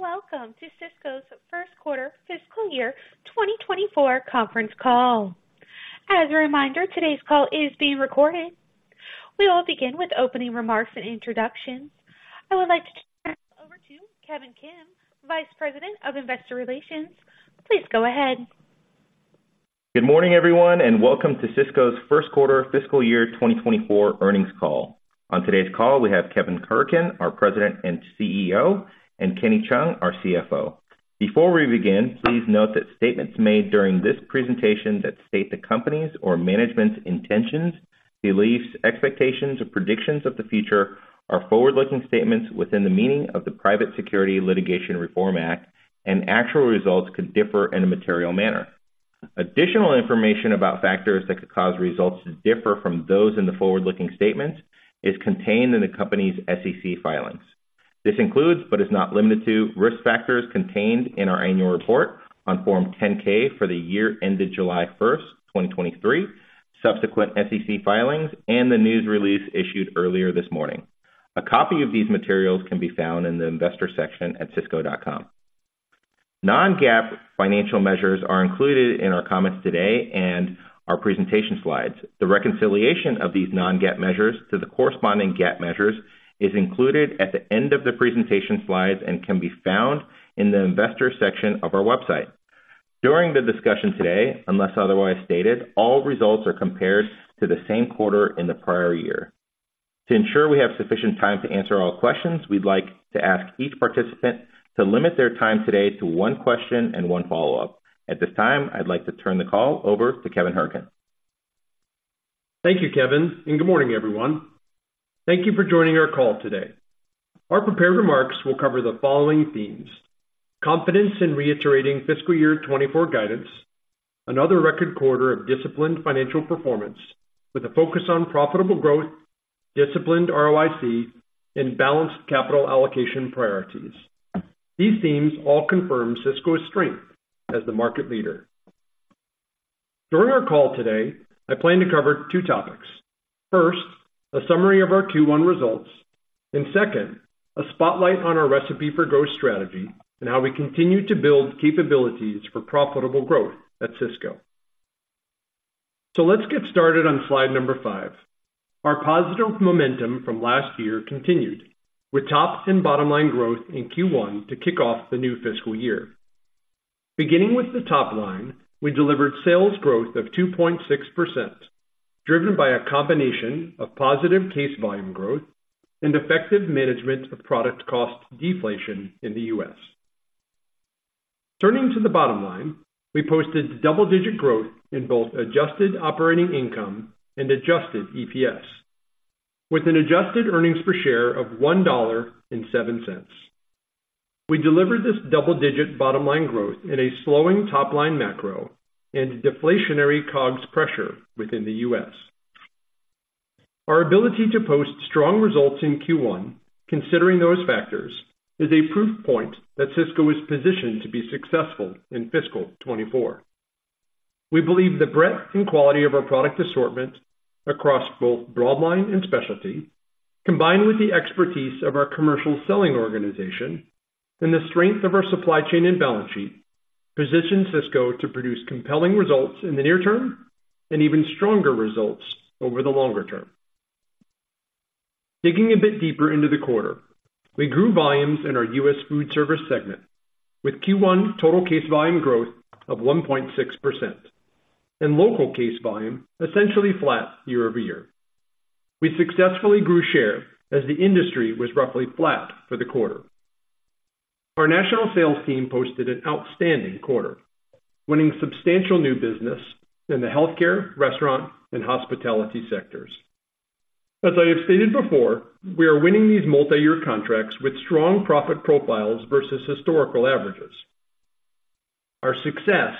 Welcome to Sysco's first quarter fiscal year 2024 conference call. As a reminder, today's call is being recorded. We will begin with opening remarks and introductions. I would like to turn this over to Kevin Kim, Vice President of Investor Relations. Please go ahead. Good morning, everyone, and welcome to Sysco's first quarter fiscal year 2024 earnings call. On today's call, we have Kevin Hourican, our President and CEO, and Kenny Cheung, our CFO. Before we begin, please note that statements made during this presentation that state the company's or management's intentions, beliefs, expectations, or predictions of the future are forward-looking statements within the meaning of the Private Securities Litigation Reform Act, and actual results could differ in a material manner. Additional information about factors that could cause results to differ from those in the forward-looking statements is contained in the company's SEC filings. This includes, but is not limited to, risk factors contained in our annual report on Form 10-K for the year ended July 1st, 2023, subsequent SEC filings, and the news release issued earlier this morning. A copy of these materials can be found in the Investor section at sysco.com. Non-GAAP financial measures are included in our comments today and our presentation slides. The reconciliation of these non-GAAP measures to the corresponding GAAP measures is included at the end of the presentation slides and can be found in the Investor section of our website. During the discussion today, unless otherwise stated, all results are compared to the same quarter in the prior year. To ensure we have sufficient time to answer all questions, we'd like to ask each participant to limit their time today to one question and one follow-up. At this time, I'd like to turn the call over to Kevin Hourican. Thank you, Kevin, and good morning, everyone. Thank you for joining our call today. Our prepared remarks will cover the following themes: confidence in reiterating fiscal year 2024 guidance, another record quarter of disciplined financial performance with a focus on profitable growth, disciplined ROIC, and balanced capital allocation priorities. These themes all confirm Sysco's strength as the market leader. During our call today, I plan to cover two topics. First, a summary of our Q1 results, and second, a spotlight on our Recipe for Growth strategy and how we continue to build capabilities for profitable growth at Sysco. So let's get started on slide number five. Our positive momentum from last year continued, with top and bottom line growth in Q1 to kick off the new fiscal year. Beginning with the top line, we delivered sales growth of 2.6%, driven by a combination of positive case volume growth and effective management of product cost deflation in the U.S. Turning to the bottom line, we posted double-digit growth in both adjusted operating income and adjusted EPS, with an adjusted earnings per share of $1.07. We delivered this double-digit bottom line growth in a slowing top line macro and deflationary COGS pressure within the U.S. Our ability to post strong results in Q1, considering those factors, is a proof point that Sysco is positioned to be successful in fiscal 2024. We believe the breadth and quality of our product assortment across both broadline and specialty, combined with the expertise of our commercial selling organization and the strength of our supply chain and balance sheet, position Sysco to produce compelling results in the near term and even stronger results over the longer term. Digging a bit deeper into the quarter, we grew volumes in our U.S. Foodservice segment, with Q1 total case volume growth of 1.6% and local case volume essentially flat year-over-year. We successfully grew share as the industry was roughly flat for the quarter. Our national sales team posted an outstanding quarter, winning substantial new business in the healthcare, restaurant, and hospitality sectors. As I have stated before, we are winning these multi-year contracts with strong profit profiles versus historical averages. Our success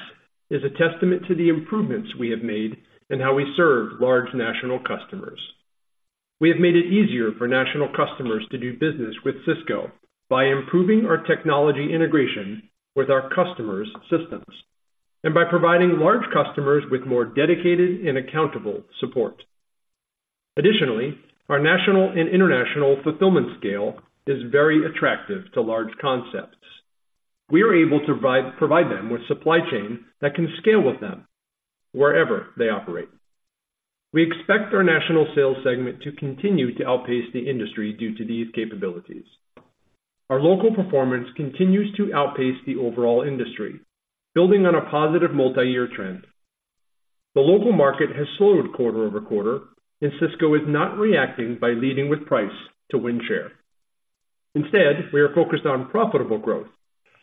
is a testament to the improvements we have made in how we serve large national customers. We have made it easier for national customers to do business with Sysco by improving our technology integration with our customers' systems and by providing large customers with more dedicated and accountable support. Additionally, our national and international fulfillment scale is very attractive to large concepts. We are able to provide them with supply chain that can scale with them wherever they operate. We expect our national sales segment to continue to outpace the industry due to these capabilities. Our local performance continues to outpace the overall industry, building on a positive multi-year trend. The local market has slowed quarter-over-quarter, and Sysco is not reacting by leading with price to win share. Instead, we are focused on profitable growth,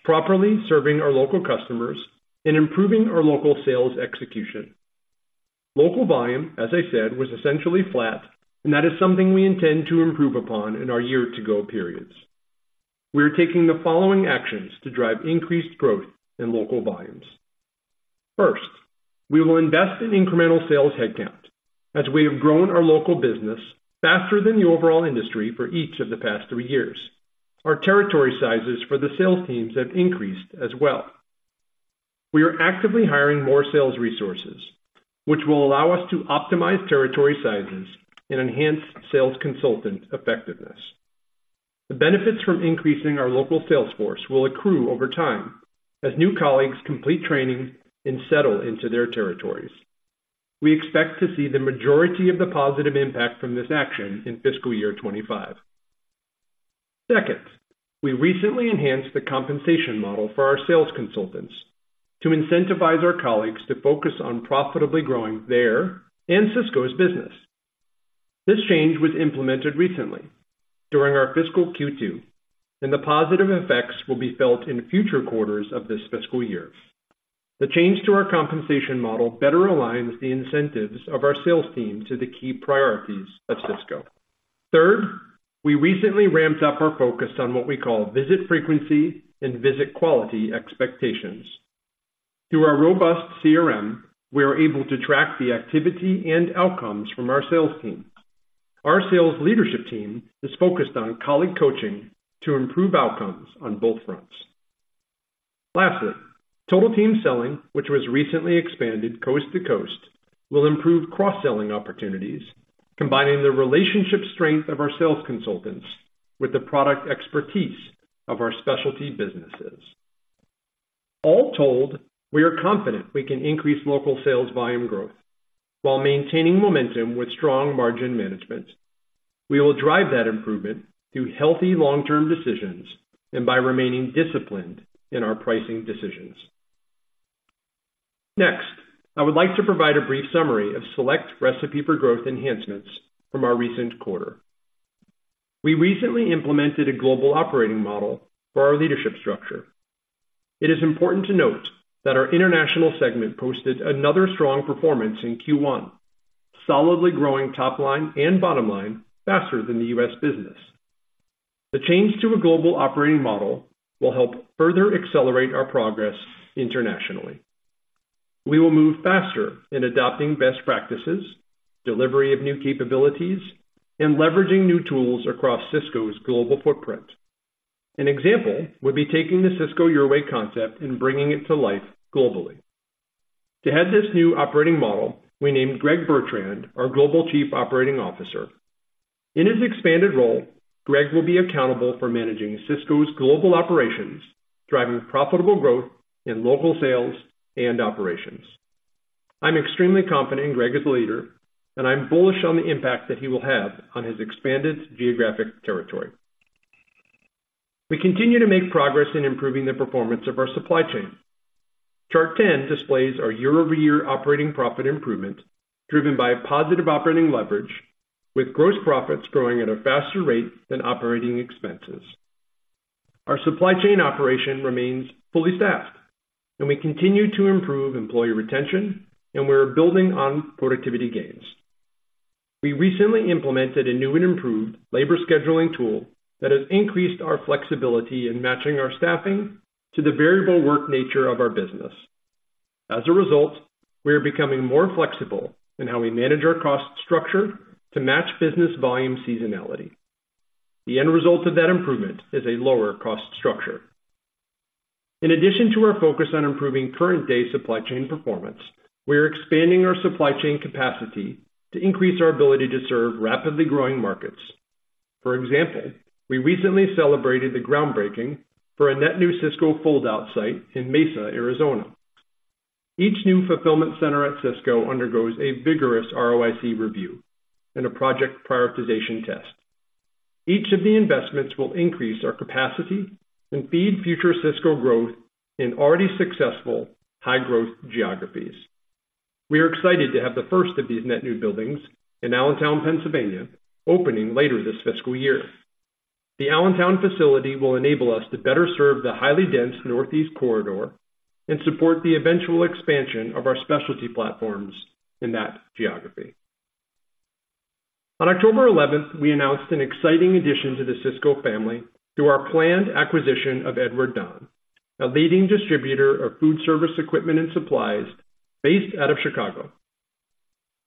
properly serving our local customers, and improving our local sales execution. Local volume, as I said, was essentially flat, and that is something we intend to improve upon in our year to go periods. We are taking the following actions to drive increased growth in local volumes. First, we will invest in incremental sales headcount. As we have grown our local business faster than the overall industry for each of the past three years, our territory sizes for the sales teams have increased as well. We are actively hiring more sales resources, which will allow us to optimize territory sizes and enhance sales consultant effectiveness. The benefits from increasing our local sales force will accrue over time as new colleagues complete training and settle into their territories. We expect to see the majority of the positive impact from this action in fiscal year 2025. Second, we recently enhanced the compensation model for our sales consultants to incentivize our colleagues to focus on profitably growing their and Sysco's business. This change was implemented recently during our fiscal Q2, and the positive effects will be felt in future quarters of this fiscal year. The change to our compensation model better aligns the incentives of our sales team to the key priorities of Sysco. Third, we recently ramped up our focus on what we call visit frequency and visit quality expectations. Through our robust CRM, we are able to track the activity and outcomes from our sales team. Our sales leadership team is focused on colleague coaching to improve outcomes on both fronts. Lastly, Total Team Selling, which was recently expanded coast to coast, will improve cross-selling opportunities, combining the relationship strength of our sales consultants with the product expertise of our specialty businesses. All told, we are confident we can increase local sales volume growth while maintaining momentum with strong margin management. We will drive that improvement through healthy long-term decisions and by remaining disciplined in our pricing decisions. Next, I would like to provide a brief summary of select Recipe for Growth enhancements from our recent quarter. We recently implemented a global operating model for our leadership structure. It is important to note that our International segment posted another strong performance in Q1, solidly growing top line and bottom line faster than the U.S. business. The change to a global operating model will help further accelerate our progress internationally. We will move faster in adopting best practices, delivery of new capabilities, and leveraging new tools across Sysco's global footprint. An example would be taking the Sysco Your Way concept and bringing it to life globally. To head this new operating model, we named Greg Bertrand our Global Chief Operating Officer. In his expanded role, Greg will be accountable for managing Sysco's global operations, driving profitable growth in local sales and operations. I'm extremely confident in Greg as a leader, and I'm bullish on the impact that he will have on his expanded geographic territory. We continue to make progress in improving the performance of our supply chain. Chart 10 displays our year-over-year operating profit improvement, driven by positive operating leverage, with gross profits growing at a faster rate than operating expenses. Our supply chain operation remains fully staffed, and we continue to improve employee retention, and we are building on productivity gains. We recently implemented a new and improved labor scheduling tool that has increased our flexibility in matching our staffing to the variable work nature of our business. As a result, we are becoming more flexible in how we manage our cost structure to match business volume seasonality. The end result of that improvement is a lower cost structure. In addition to our focus on improving current day supply chain performance, we are expanding our supply chain capacity to increase our ability to serve rapidly growing markets. For example, we recently celebrated the groundbreaking for a net new Sysco fold-out site in Mesa, Arizona. Each new fulfillment center at Sysco undergoes a vigorous ROIC review and a project prioritization test. Each of the investments will increase our capacity and feed future Sysco growth in already successful, high-growth geographies. We are excited to have the first of these net new buildings in Allentown, Pennsylvania, opening later this fiscal year. The Allentown facility will enable us to better serve the highly dense Northeast corridor and support the eventual expansion of our specialty platforms in that geography. On October 11th, we announced an exciting addition to the Sysco family through our planned acquisition of Edward Don, a leading distributor of foodservice equipment and supplies based out of Chicago.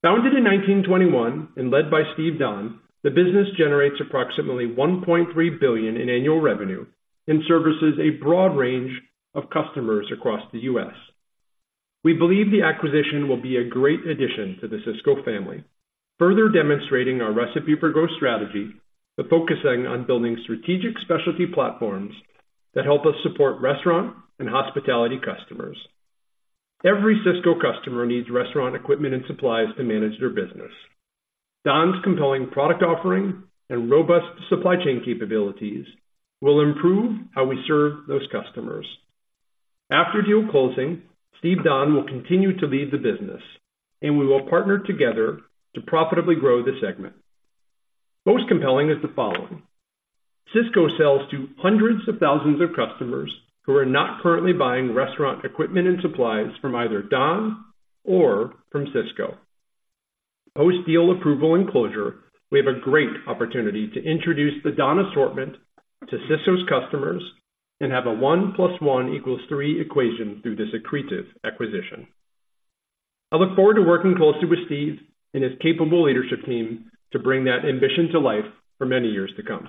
Founded in 1921 and led by Steve Don, the business generates approximately $1.3 billion in annual revenue and services a broad range of customers across the U.S. We believe the acquisition will be a great addition to the Sysco family, further demonstrating our Recipe for Growth strategy, but focusing on building strategic specialty platforms that help us support restaurant and hospitality customers. Every Sysco customer needs restaurant equipment and supplies to manage their business. Don's compelling product offering and robust supply chain capabilities will improve how we serve those customers. After deal closing, Steve Don will continue to lead the business, and we will partner together to profitably grow the segment. Most compelling is the following: Sysco sells to hundreds of thousands of customers who are not currently buying restaurant equipment and supplies from either Don or from Sysco. Post-deal approval and closure, we have a great opportunity to introduce the Don assortment to Sysco's customers and have a one plus one equals three equation through this accretive acquisition. I look forward to working closely with Steve and his capable leadership team to bring that ambition to life for many years to come.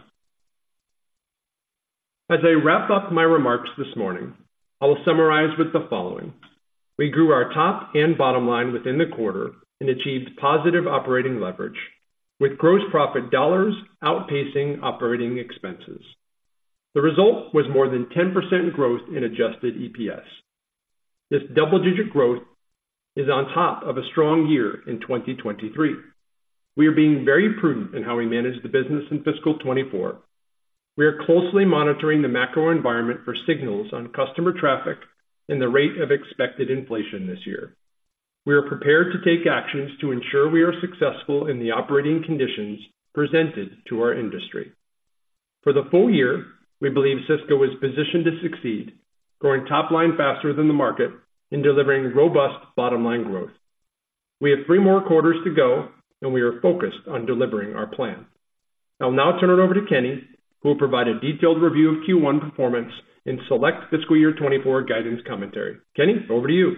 As I wrap up my remarks this morning, I will summarize with the following: We grew our top and bottom line within the quarter and achieved positive operating leverage, with gross profit dollars outpacing operating expenses. The result was more than 10% growth in adjusted EPS. This double-digit growth is on top of a strong year in 2023. We are being very prudent in how we manage the business in fiscal 2024. We are closely monitoring the macro environment for signals on customer traffic and the rate of expected inflation this year. We are prepared to take actions to ensure we are successful in the operating conditions presented to our industry. For the full year, we believe Sysco is positioned to succeed, growing top line faster than the market and delivering robust bottom line growth. We have three more quarters to go, and we are focused on delivering our plan. I'll now turn it over to Kenny, who will provide a detailed review of Q1 performance and select fiscal year 2024 guidance commentary. Kenny, over to you.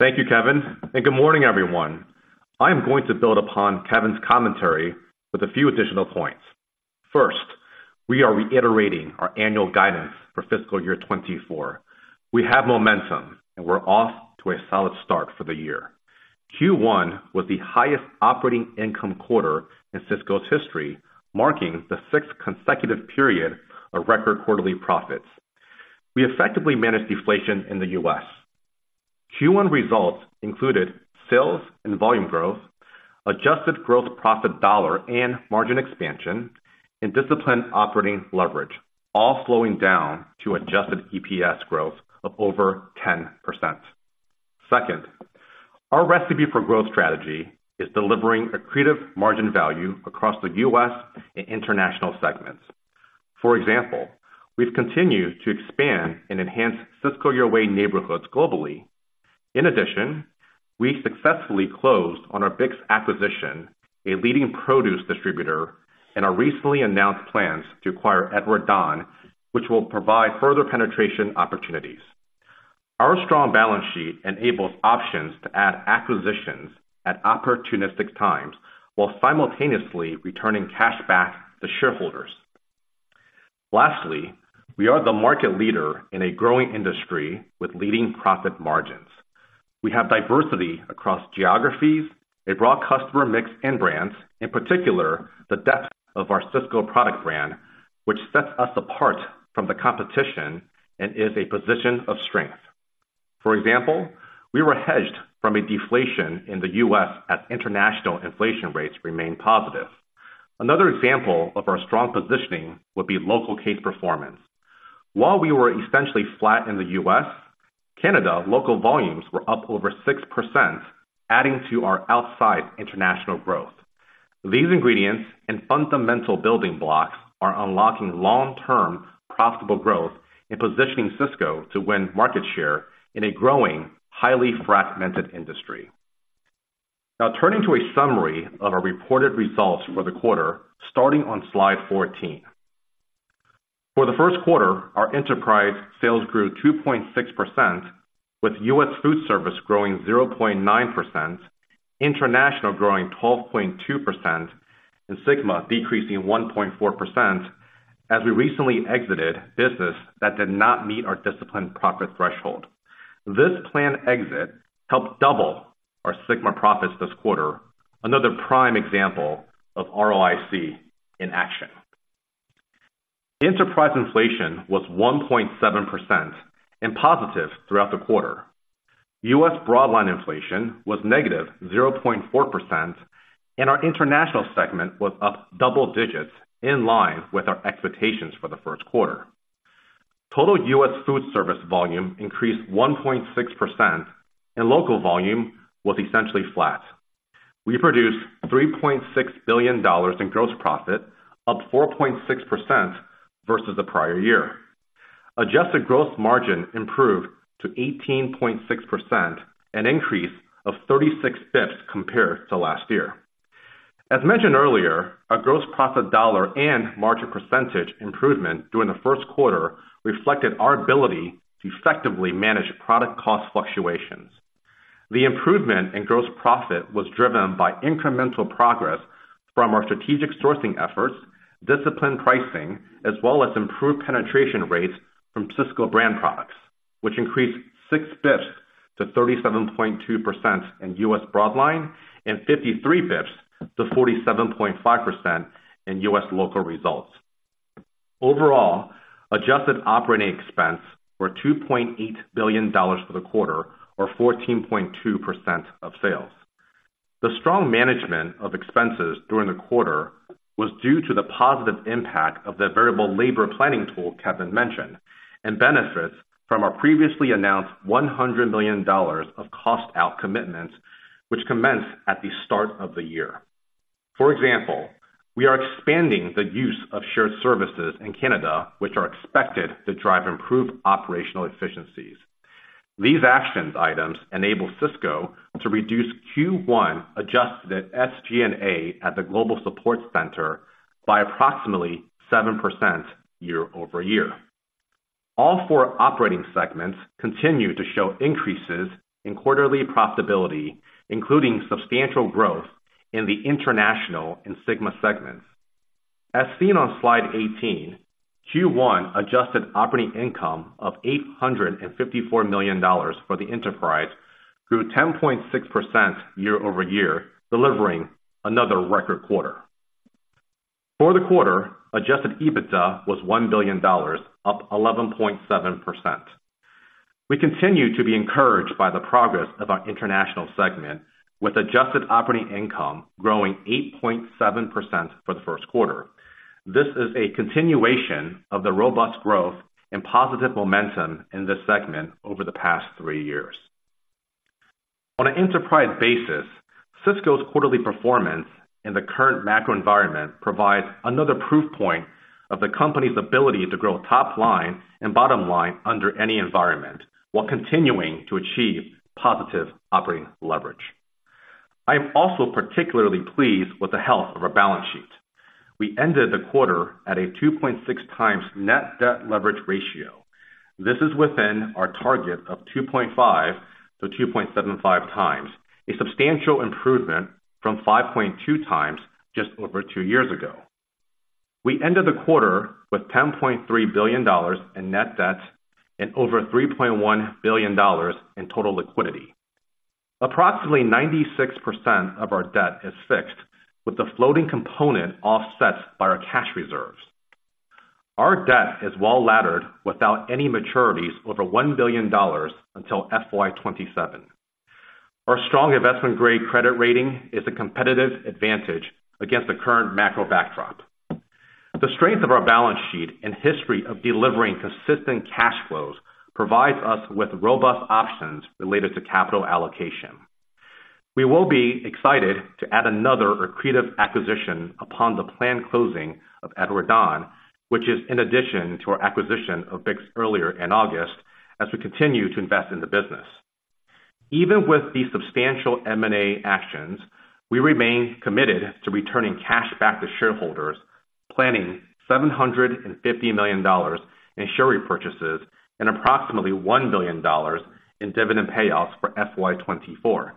Thank you, Kevin, and good morning, everyone. I'm going to build upon Kevin's commentary with a few additional points. First, we are reiterating our annual guidance for fiscal year 2024. We have momentum, and we're off to a solid start for the year. Q1 was the highest operating income quarter in Sysco's history, marking the sixth consecutive period of record quarterly profits. We effectively managed deflation in the U.S. Q1 results included sales and volume growth, adjusted gross profit dollar and margin expansion, and disciplined operating leverage, all flowing down to adjusted EPS growth of over 10%. Second, our Recipe for Growth strategy is delivering accretive margin value across the U.S. and international segments. For example, we've continued to expand and enhance Sysco Your Way neighborhoods globally. In addition, we successfully closed on our BIX acquisition, a leading produce distributor, and our recently announced plans to acquire Edward Don, which will provide further penetration opportunities. Our strong balance sheet enables options to add acquisitions at opportunistic times while simultaneously returning cash back to shareholders. Lastly, we are the market leader in a growing industry with leading profit margins. We have diversity across geographies, a broad customer mix and brands, in particular, the depth of our Sysco product brand, which sets us apart from the competition and is a position of strength. For example, we were hedged from a deflation in the U.S. as international inflation rates remained positive. Another example of our strong positioning would be local case performance. While we were essentially flat in the U.S., Canada, local volumes were up over 6%, adding to our outside international growth. These ingredients and fundamental building blocks are unlocking long-term profitable growth and positioning Sysco to win market share in a growing, highly fragmented industry. Now, turning to a summary of our reported results for the quarter, starting on slide 14. For the first quarter, our enterprise sales grew 2.6%, with U.S. Foodservice growing 0.9%, International growing 12.2%, and SYGMA decreasing 1.4%, as we recently exited business that did not meet our disciplined profit threshold. This planned exit helped double our SYGMA profits this quarter, another prime example of ROIC in action. Enterprise inflation was 1.7% and positive throughout the quarter. U.S. Broadline inflation was negative 0.4%, and our International segment was up double digits, in line with our expectations for the first quarter. Total U.S. Foodservice volume increased 1.6%, and local volume was essentially flat. We produced $3.6 billion in gross profit, up 4.6% versus the prior year. Adjusted gross margin improved to 18.6%, an increase of 36 basis points compared to last year. As mentioned earlier, our gross profit dollar and margin percentage improvement during the first quarter reflected our ability to effectively manage product cost fluctuations. The improvement in gross profit was driven by incremental progress from our strategic sourcing efforts, disciplined pricing, as well as improved penetration rates from Sysco Brand products, which increased six basis points to 37.2% in U.S. Broadline and 53 basis points to 47.5% in U.S. local results. Overall, adjusted operating expense were $2.8 billion for the quarter, or 14.2% of sales. The strong management of expenses during the quarter was due to the positive impact of the variable labor planning tool Kevin mentioned, and benefits from our previously announced $100 million of cost out commitments, which commenced at the start of the year. For example, we are expanding the use of shared services in Canada, which are expected to drive improved operational efficiencies. These action items enabled Sysco to reduce Q1 adjusted SG&A at the Global Support Center by approximately 7% year-over-year. All four operating segments continue to show increases in quarterly profitability, including substantial growth in the International and SYGMA segments. As seen on slide 18, Q1 adjusted operating income of $854 million for the enterprise grew 10.6% year-over-year, delivering another record quarter. For the quarter, adjusted EBITDA was $1 billion, up 11.7%. We continue to be encouraged by the progress of our International segment, with adjusted operating income growing 8.7% for the first quarter. This is a continuation of the robust growth and positive momentum in this segment over the past three years. On an enterprise basis, Sysco's quarterly performance in the current macro environment provides another proof point of the company's ability to grow top line and bottom line under any environment, while continuing to achieve positive operating leverage. I am also particularly pleased with the health of our balance sheet. We ended the quarter at a 2.6x net debt leverage ratio. This is within our target of 2.5x-2.75x, a substantial improvement from 5.2x just over two years ago. We ended the quarter with $10.3 billion in net debt and over $3.1 billion in total liquidity. Approximately 96% of our debt is fixed, with the floating component offset by our cash reserves. Our debt is well laddered without any maturities over $1 billion until FY 2027. Our strong investment-grade credit rating is a competitive advantage against the current macro backdrop. The strength of our balance sheet and history of delivering consistent cash flows provides us with robust options related to capital allocation. We will be excited to add another accretive acquisition upon the planned closing of Edward Don, which is in addition to our acquisition of BIX earlier in August, as we continue to invest in the business. Even with the substantial M&A actions, we remain committed to returning cash back to shareholders, planning $750 million in share repurchases and approximately $1 billion in dividend payoffs for FY 2024.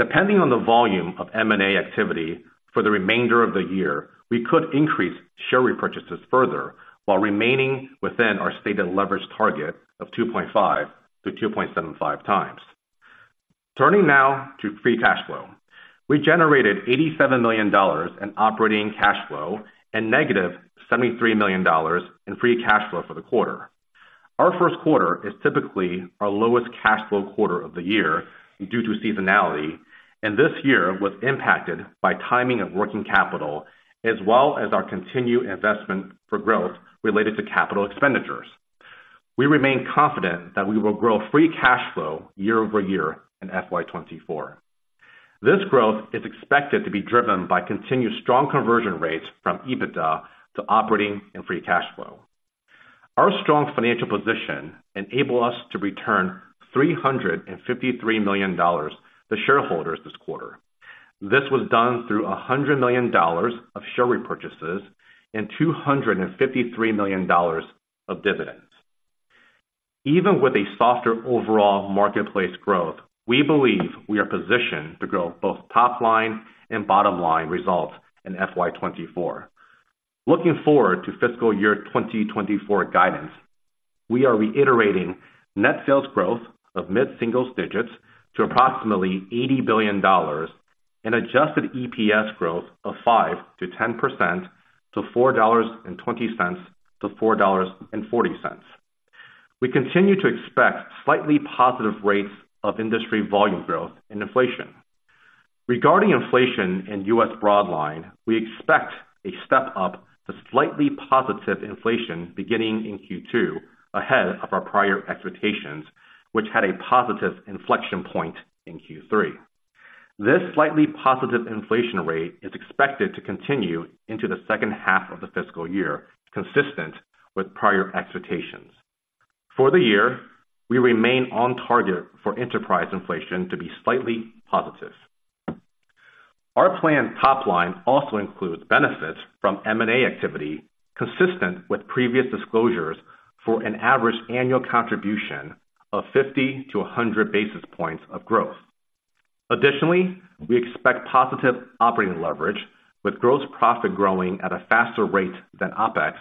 Depending on the volume of M&A activity for the remainder of the year, we could increase share repurchases further while remaining within our stated leverage target of 2.5x-2.75x. Turning now to free cash flow. We generated $87 million in operating cash flow and -$73 million in free cash flow for the quarter. Our first quarter is typically our lowest cash flow quarter of the year due to seasonality, and this year was impacted by timing of working capital, as well as our continued investment for growth related to capital expenditures. We remain confident that we will grow free cash flow year-over-year in FY 2024. This growth is expected to be driven by continued strong conversion rates from EBITDA to operating and free cash flow. Our strong financial position enable us to return $353 million to shareholders this quarter. This was done through $100 million of share repurchases and $253 million of dividends. Even with a softer overall marketplace growth, we believe we are positioned to grow both top line and bottom line results in FY 2024. Looking forward to fiscal year 2024 guidance, we are reiterating net sales growth of mid-single digits to approximately $80 billion and adjusted EPS growth of 5%-10% to $4.20-$4.40. We continue to expect slightly positive rates of industry volume growth and inflation. Regarding inflation in U.S. Broadline, we expect a step-up to slightly positive inflation beginning in Q2, ahead of our prior expectations, which had a positive inflection point in Q3. This slightly positive inflation rate is expected to continue into the second half of the fiscal year, consistent with prior expectations. For the year, we remain on target for enterprise inflation to be slightly positive. Our planned top line also includes benefits from M&A activity, consistent with previous disclosures, for an average annual contribution of 50-100 basis points of growth. Additionally, we expect positive operating leverage, with gross profit growing at a faster rate than OpEx,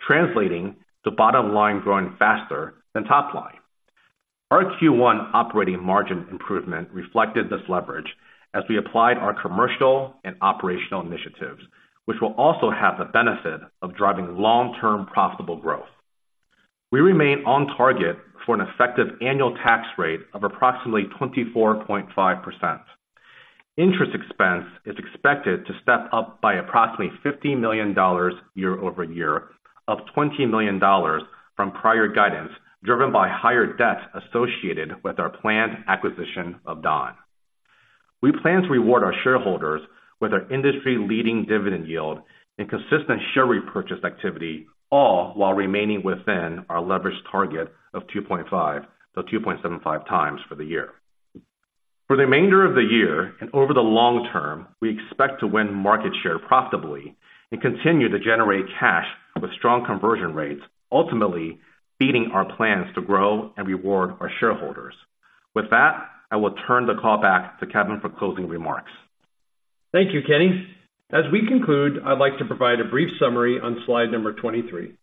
translating to bottom line growing faster than top line. Our Q1 operating margin improvement reflected this leverage as we applied our commercial and operational initiatives, which will also have the benefit of driving long-term profitable growth. We remain on target for an effective annual tax rate of approximately 24.5%. Interest expense is expected to step up by approximately $50 million year-over-year, up $20 million from prior guidance, driven by higher debt associated with our planned acquisition of Don. We plan to reward our shareholders with our industry-leading dividend yield and consistent share repurchase activity, all while remaining within our leverage target of 2.5x-2.75x for the year. For the remainder of the year and over the long term, we expect to win market share profitably and continue to generate cash with strong conversion rates, ultimately beating our plans to grow and reward our shareholders. With that, I will turn the call back to Kevin for closing remarks. Thank you, Kenny. As we conclude, I'd like to provide a brief summary on slide number 23.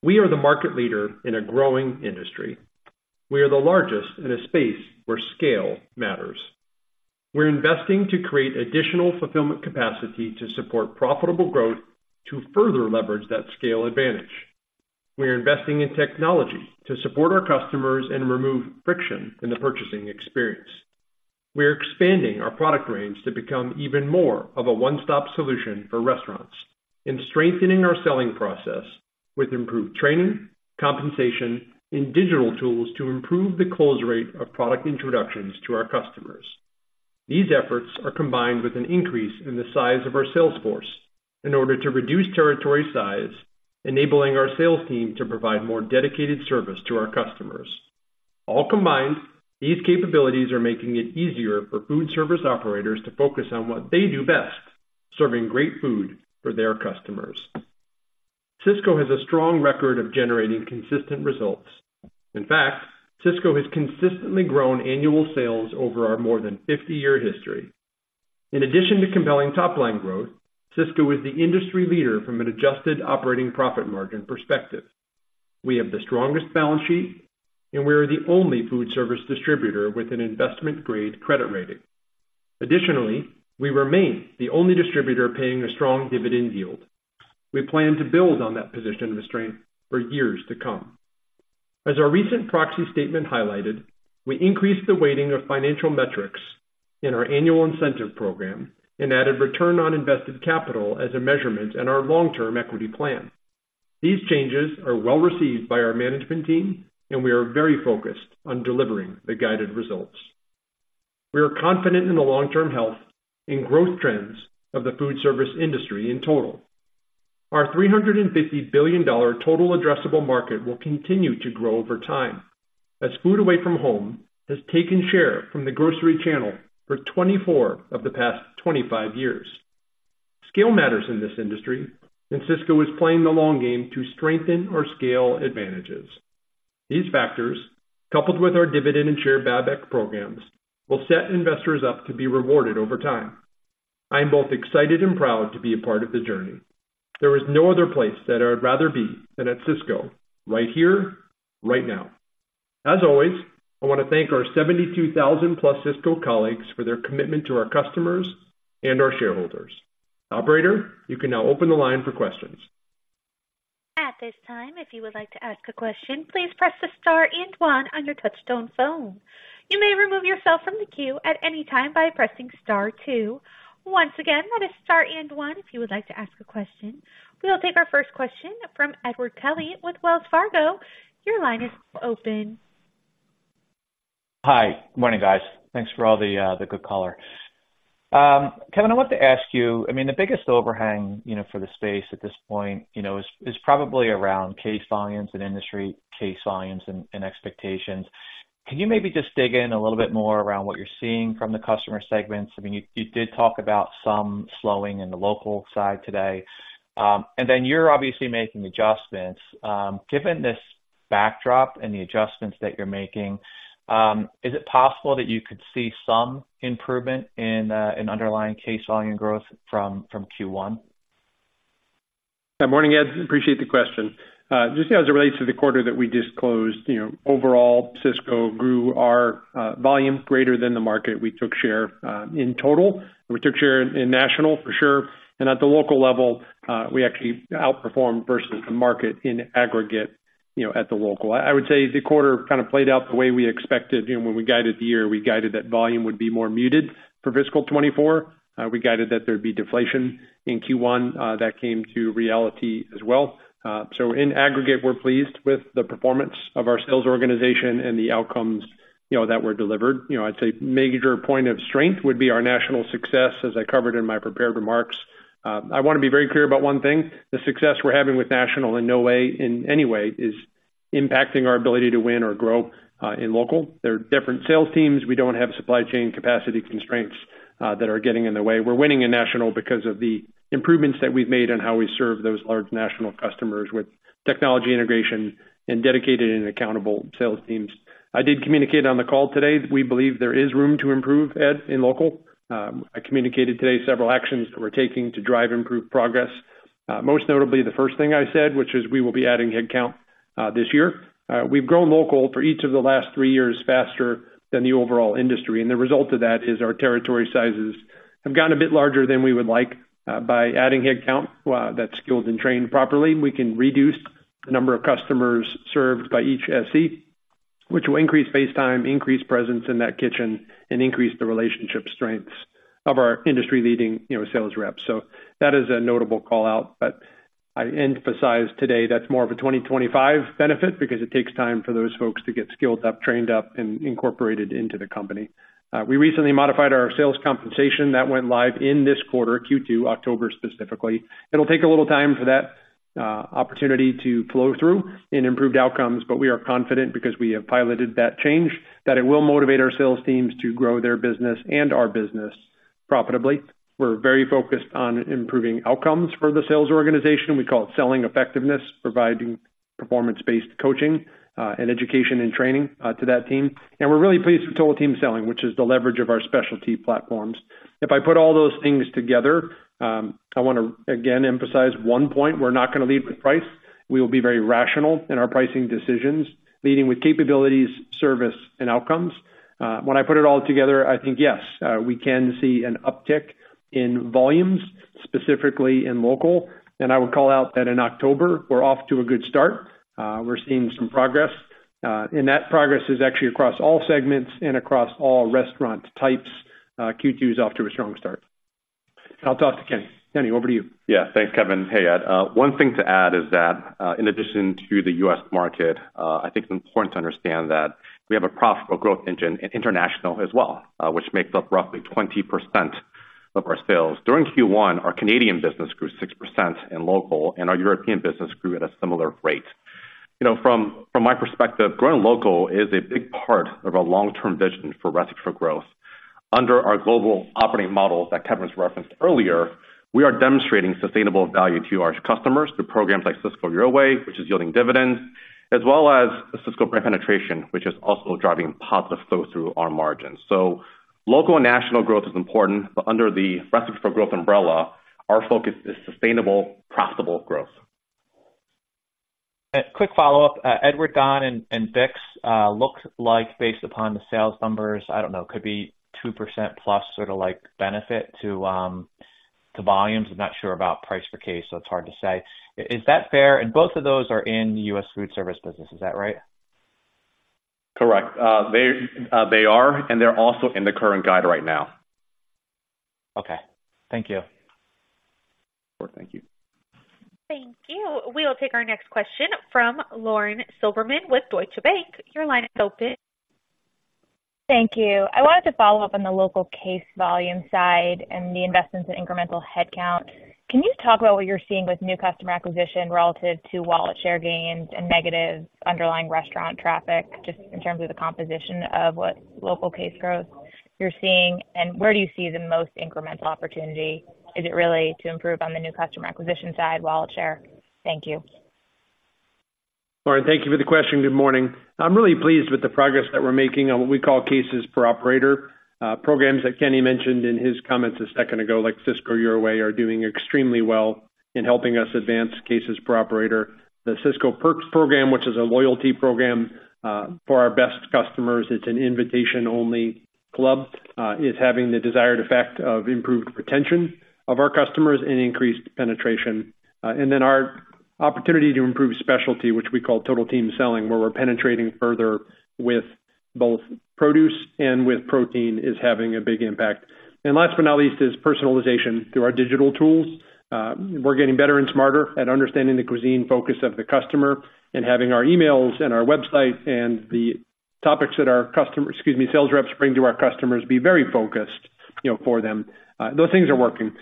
We are the market leader in a growing industry. We are the largest in a space where scale matters. We're investing to create additional fulfillment capacity to support profitable growth to further leverage that scale advantage. We are investing in technology to support our customers and remove friction in the purchasing experience. We are expanding our product range to become even more of a one-stop solution for restaurants and strengthening our selling process with improved training, compensation, and digital tools to improve the close rate of product introductions to our customers. These efforts are combined with an increase in the size of our sales force in order to reduce territory size, enabling our sales team to provide more dedicated service to our customers. All combined, these capabilities are making it easier for foodservice operators to focus on what they do best, serving great food for their customers. Sysco has a strong record of generating consistent results. In fact, Sysco has consistently grown annual sales over our more than 50-year history. In addition to compelling top-line growth, Sysco is the industry leader from an adjusted operating profit margin perspective. We have the strongest balance sheet, and we are the only foodservice distributor with an investment-grade credit rating. Additionally, we remain the only distributor paying a strong dividend yield. We plan to build on that position of strength for years to come. As our recent proxy statement highlighted, we increased the weighting of financial metrics in our annual incentive program and added return on invested capital as a measurement in our long-term equity plan. These changes are well received by our management team, and we are very focused on delivering the guided results. We are confident in the long-term health and growth trends of the food service industry in total. Our $350 billion total addressable market will continue to grow over time, as food away from home has taken share from the grocery channel for 24 of the past 25 years. Scale matters in this industry, and Sysco is playing the long game to strengthen our scale advantages. These factors, coupled with our dividend and share buyback programs, will set investors up to be rewarded over time. I am both excited and proud to be a part of the journey. There is no other place that I'd rather be than at Sysco, right here, right now. As always, I want to thank our 72,000+ Sysco colleagues for their commitment to our customers and our shareholders. Operator, you can now open the line for questions. At this time, if you would like to ask a question, please press the star and one on your touchtone phone. You may remove yourself from the queue at any time by pressing star two. Once again, that is star and one if you would like to ask a question. We will take our first question from Edward Kelly with Wells Fargo. Your line is open. Hi. Good morning, guys. Thanks for all the good color. Kevin, I wanted to ask you, I mean, the biggest overhang, you know, for the space at this point, you know, is probably around case volumes and industry case volumes and expectations. Can you maybe just dig in a little bit more around what you're seeing from the customer segments? I mean, you did talk about some slowing in the local side today, and then you're obviously making adjustments. Given this backdrop and the adjustments that you're making, is it possible that you could see some improvement in an underlying case volume growth from Q1? Good morning, Ed. Appreciate the question. Just as it relates to the quarter that we disclosed, you know, overall, Sysco grew our volume greater than the market. We took share in total. We took share in national, for sure, and at the local level, we actually outperformed versus the market in aggregate, you know, at the local. I would say the quarter kind of played out the way we expected. You know, when we guided the year, we guided that volume would be more muted for fiscal 2024. We guided that there'd be deflation in Q1. That came to reality as well. So in aggregate, we're pleased with the performance of our sales organization and the outcomes, you know, that were delivered. You know, I'd say major point of strength would be our national success, as I covered in my prepared remarks. I wanna be very clear about one thing. The success we're having with national in no way, in any way, is impacting our ability to win or grow, in local. They're different sales teams. We don't have supply chain capacity constraints, that are getting in the way. We're winning in national because of the improvements that we've made on how we serve those large national customers with technology integration and dedicated and accountable sales teams. I did communicate on the call today that we believe there is room to improve, Ed, in local. I communicated today several actions that we're taking to drive improved progress. Most notably, the first thing I said, which is we will be adding headcount, this year. We've grown local for each of the last three years, faster than the overall industry, and the result of that is our territory sizes have gotten a bit larger than we would like. By adding headcount, that's skilled and trained properly, we can reduce the number of customers served by each SE, which will increase face time, increase presence in that kitchen, and increase the relationship strengths of our industry-leading, you know, sales reps. So that is a notable call-out, but I emphasize today that's more of a 2025 benefit because it takes time for those folks to get skilled up, trained up, and incorporated into the company. We recently modified our sales compensation that went live in this quarter, Q2, October, specifically. It'll take a little time for that opportunity to flow through in improved outcomes, but we are confident because we have piloted that change, that it will motivate our sales teams to grow their business and our business profitably. We're very focused on improving outcomes for the sales organization. We call it selling effectiveness, providing performance-based coaching and education and training to that team. And we're really pleased with Total Team Selling, which is the leverage of our specialty platforms. If I put all those things together, I wanna, again, emphasize one point: We're not gonna lead with price. We will be very rational in our pricing decisions, leading with capabilities, service, and outcomes. When I put it all together, I think, yes, we can see an uptick in volumes, specifically in local. And I would call out that in October, we're off to a good start. We're seeing some progress, and that progress is actually across all segments and across all restaurant types. Q2 is off to a strong start. I'll talk to Kenny. Kenny, over to you. Yeah, thanks, Kevin. Hey, Ed, one thing to add is that, in addition to the U.S. market, I think it's important to understand that we have a profitable growth engine in International as well, which makes up roughly 20% of our sales. During Q1, our Canadian business grew 6% in local, and our European business grew at a similar rate. You know, from my perspective, growing local is a big part of our long-term vision for Recipe for Growth. Under our global operating model that Kevin's referenced earlier, we are demonstrating sustainable value to our customers through programs like Sysco Your Way, which is yielding dividends, as well as the Sysco Brand penetration, which is also driving positive flow through our margins. So local and national growth is important, but under the Recipe for Growth umbrella, our focus is sustainable, profitable growth. A quick follow-up. Edward Don and, and BIX, looks like based upon the sales numbers, I don't know, could be 2%+, sort of like benefit to, to volumes. I'm not sure about price per case, so it's hard to say. Is that fair? And both of those are in the U.S. Foodservice business, is that right? Correct. They are, and they're also in the current guide right now. Okay. Thank you. Thank you. Thank you. We will take our next question from Lauren Silberman with Deutsche Bank. Your line is open. Thank you. I wanted to follow up on the local case volume side and the investments in incremental headcount. Can you talk about what you're seeing with new customer acquisition relative to wallet share gains and negative underlying restaurant traffic, just in terms of the composition of what local case growth you're seeing, and where do you see the most incremental opportunity? Is it really to improve on the new customer acquisition side, wallet share? Thank you. Lauren, thank you for the question. Good morning. I'm really pleased with the progress that we're making on what we call cases per operator, programs that Kenny mentioned in his comments a second ago, like Sysco Your Way, are doing extremely well in helping us advance cases per operator. The Sysco Perks program, which is a loyalty program, for our best customers, it's an invitation-only club, is having the desired effect of improved retention of our customers and increased penetration. And then our opportunity to improve specialty, which we call Total Team Selling, where we're penetrating further with both produce and with protein, is having a big impact. And last but not least, is personalization through our digital tools. We're getting better and smarter at understanding the cuisine focus of the customer and having our emails and our website and the topics that our customer, excuse me, sales reps bring to our customers, be very focused, you know, for them. Those things are working.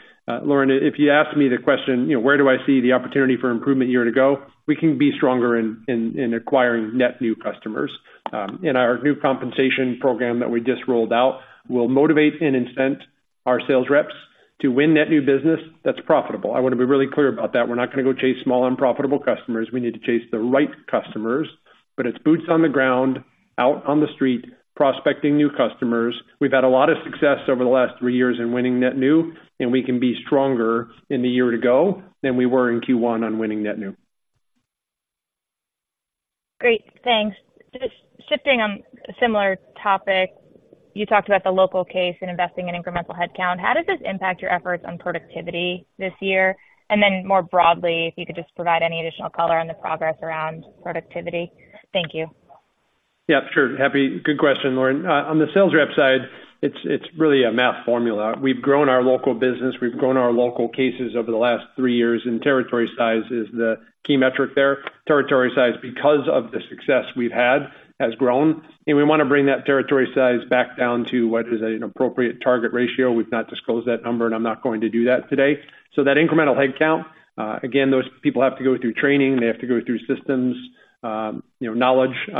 Lauren, if you asked me the question, you know, where do I see the opportunity for improvement year ago? We can be stronger in acquiring net new customers. Our new compensation program that we just rolled out will motivate and incent our sales reps to win net new business that's profitable. I want to be really clear about that. We're not gonna go chase small, unprofitable customers. We need to chase the right customers, but it's boots on the ground, out on the street, prospecting new customers. We've had a lot of success over the last three years in winning net new, and we can be stronger in the year to go than we were in Q1 on winning net new. Great. Thanks. Just shifting on a similar topic, you talked about the local case and investing in incremental headcount. How does this impact your efforts on productivity this year? And then more broadly, if you could just provide any additional color on the progress around productivity. Thank you. Yeah, sure. Good question, Lauren. On the sales rep side, it's, it's really a math formula. We've grown our local business, we've grown our local cases over the last three years, and territory size is the key metric there. Territory size, because of the success we've had, has grown, and we wanna bring that territory size back down to what is an appropriate target ratio. We've not disclosed that number, and I'm not going to do that today. So that incremental headcount, again, those people have to go through training. They have to go through systems, you know, knowledge, you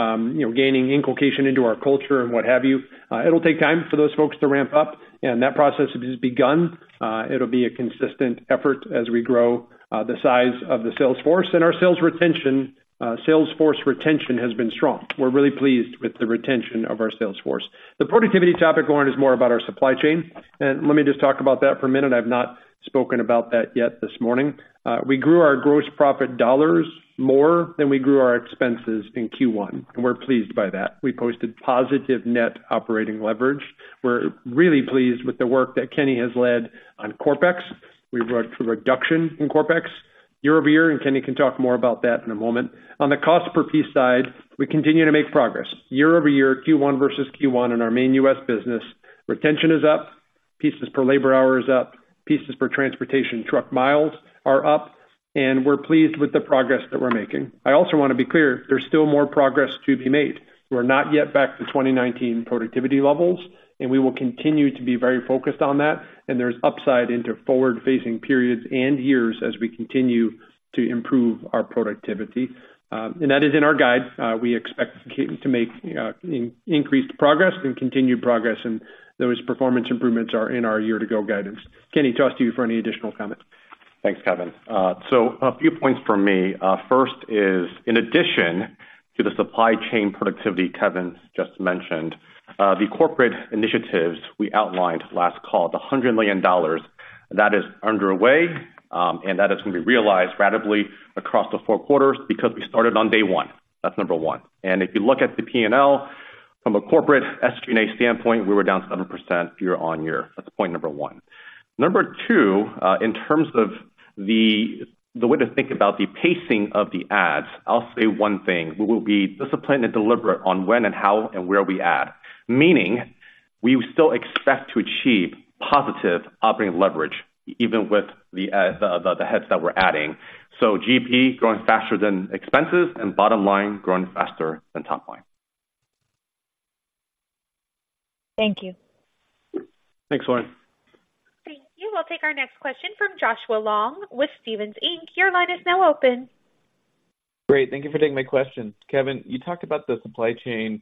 know, gaining inculcation into our culture and what have you. It'll take time for those folks to ramp up, and that process has begun. It'll be a consistent effort as we grow, the size of the sales force. Our sales retention, sales force retention has been strong. We're really pleased with the retention of our sales force. The productivity topic, Lauren, is more about our supply chain, and let me just talk about that for a minute. I've not spoken about that yet this morning. We grew our gross profit dollars more than we grew our expenses in Q1, and we're pleased by that. We posted positive net operating leverage. We're really pleased with the work that Kenny has led on CapEx. We saw a reduction in CapEx year-over-year, and Kenny can talk more about that in a moment. On the cost per piece side, we continue to make progress. Year-over-year, Q1 versus Q1 in our main U.S. business, retention is up, pieces per labor hour is up, pieces per transportation truck miles are up, and we're pleased with the progress that we're making. I also want to be clear, there's still more progress to be made. We're not yet back to 2019 productivity levels, and we will continue to be very focused on that, and there's upside into forward-facing periods and years as we continue to improve our productivity. And that is in our guide. We expect to make increased progress and continued progress, and those performance improvements are in our year-to-go guidance. Kenny, talk to you for any additional comments.... Thanks, Kevin. So a few points from me. First is, in addition to the supply chain productivity Kevin just mentioned, the corporate initiatives we outlined last call, the $100 million, that is underway, and that is going to be realized ratably across the four quarters because we started on day one. That's number one. And if you look at the P&L from a corporate SG&A standpoint, we were down 7% year-on-year. That's point number one. Number two, in terms of the way to think about the pacing of the adds, I'll say one thing. We will be disciplined and deliberate on when and how and where we add. Meaning, we still expect to achieve positive operating leverage, even with the heads that we're adding. So GP growing faster than expenses and bottom line growing faster than top line. Thank you. Thanks, Lauren. Thank you. We'll take our next question from Joshua Long with Stephens Inc. Your line is now open. Great, thank you for taking my question. Kevin, you talked about the supply chain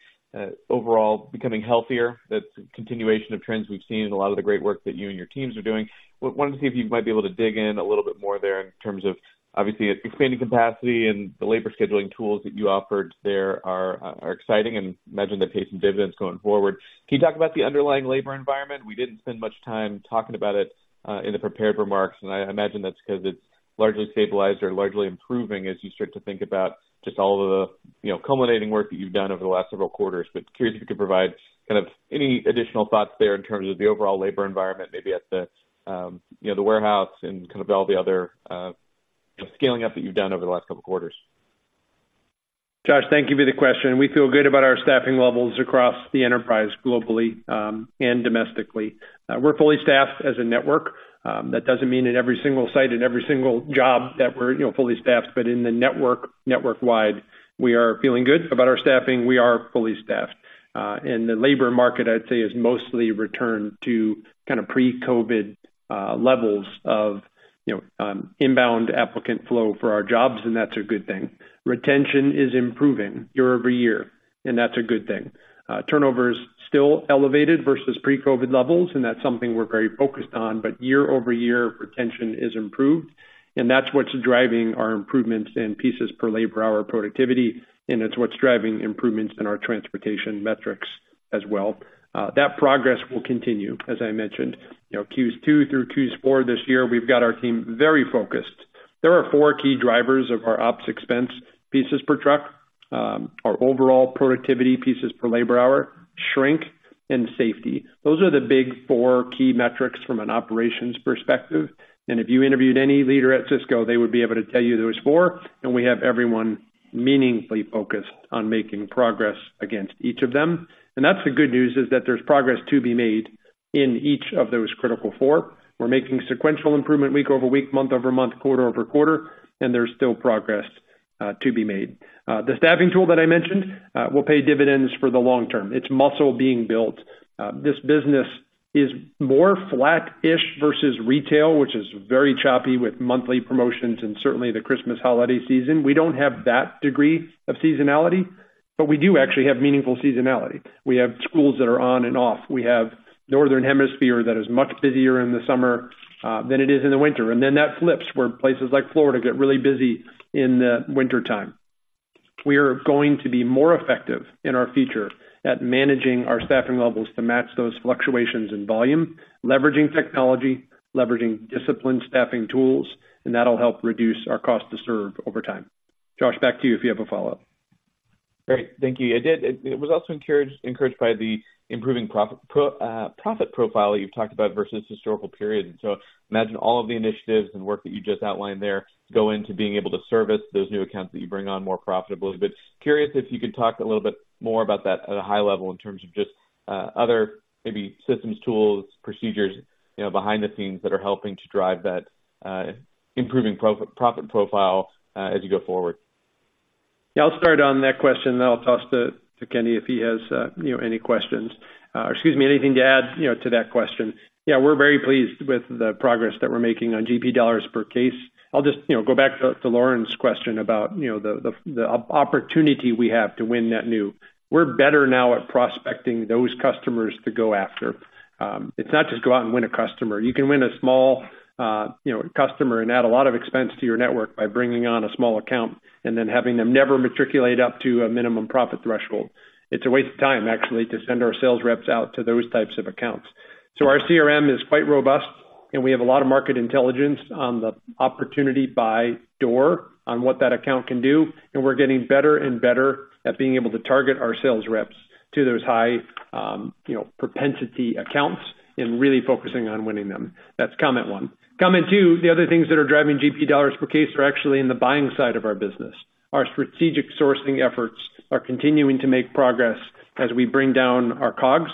overall becoming healthier. That's a continuation of trends we've seen, a lot of the great work that you and your teams are doing. Wanted to see if you might be able to dig in a little bit more there in terms of, obviously, it's expanding capacity and the labor scheduling tools that you offered there are exciting, and imagine they're paying some dividends going forward. Can you talk about the underlying labor environment? We didn't spend much time talking about it in the prepared remarks, and I imagine that's because it's largely stabilized or largely improving as you start to think about just all of the, you know, culminating work that you've done over the last several quarters. But curious if you could provide kind of any additional thoughts there in terms of the overall labor environment, maybe at the, you know, the warehouse and kind of all the other scaling up that you've done over the last couple of quarters? Josh, thank you for the question. We feel good about our staffing levels across the enterprise globally and domestically. We're fully staffed as a network. That doesn't mean in every single site and every single job that we're, you know, fully staffed, but in the network, network-wide, we are feeling good about our staffing. We are fully staffed. And the labor market, I'd say, is mostly returned to kind of pre-COVID levels of, you know, inbound applicant flow for our jobs, and that's a good thing. Retention is improving year-over-year, and that's a good thing. Turnover is still elevated versus pre-COVID levels, and that's something we're very focused on, but year-over-year, retention is improved, and that's what's driving our improvements in pieces per labor hour productivity, and it's what's driving improvements in our transportation metrics as well. That progress will continue, as I mentioned. You know, Q2 through Q4 this year, we've got our team very focused. There are four key drivers of our ops expense: pieces per truck, our overall productivity pieces per labor hour, shrink, and safety. Those are the big four key metrics from an operations perspective. And if you interviewed any leader at Sysco, they would be able to tell you those four, and we have everyone meaningfully focused on making progress against each of them. And that's the good news, is that there's progress to be made in each of those critical four. We're making sequential improvement week-over-week, month-over-month, quarter-over-quarter, and there's still progress to be made. The staffing tool that I mentioned will pay dividends for the long term. It's muscle being built. This business is more flat-ish versus retail, which is very choppy with monthly promotions and certainly the Christmas holiday season. We don't have that degree of seasonality, but we do actually have meaningful seasonality. We have schools that are on and off. We have Northern Hemisphere that is much busier in the summer than it is in the winter. And then that flips, where places like Florida get really busy in the wintertime. We are going to be more effective in our future at managing our staffing levels to match those fluctuations in volume, leveraging technology, leveraging disciplined staffing tools, and that'll help reduce our cost to serve over time. Josh, back to you if you have a follow-up. Great. Thank you. It was also encouraged by the improving profit profile you've talked about versus historical periods. So imagine all of the initiatives and work that you just outlined there go into being able to service those new accounts that you bring on more profitably. But curious if you could talk a little bit more about that at a high level in terms of just other maybe systems, tools, procedures, you know, behind the scenes that are helping to drive that improving profit profile as you go forward. Yeah, I'll start on that question, then I'll toss to Kenny if he has, you know, any questions. Excuse me, anything to add, you know, to that question. Yeah, we're very pleased with the progress that we're making on GP dollars per case. I'll just, you know, go back to Lauren's question about, you know, the opportunity we have to win net new. We're better now at prospecting those customers to go after. It's not just go out and win a customer. You can win a small, you know, customer and add a lot of expense to your network by bringing on a small account and then having them never matriculate up to a minimum profit threshold. It's a waste of time, actually, to send our sales reps out to those types of accounts. So our CRM is quite robust, and we have a lot of market intelligence on the opportunity by door on what that account can do, and we're getting better and better at being able to target our sales reps to those high, you know, propensity accounts and really focusing on winning them. That's comment one. Comment two, the other things that are driving GP dollars per case are actually in the buying side of our business. Our strategic sourcing efforts are continuing to make progress as we bring down our COGS,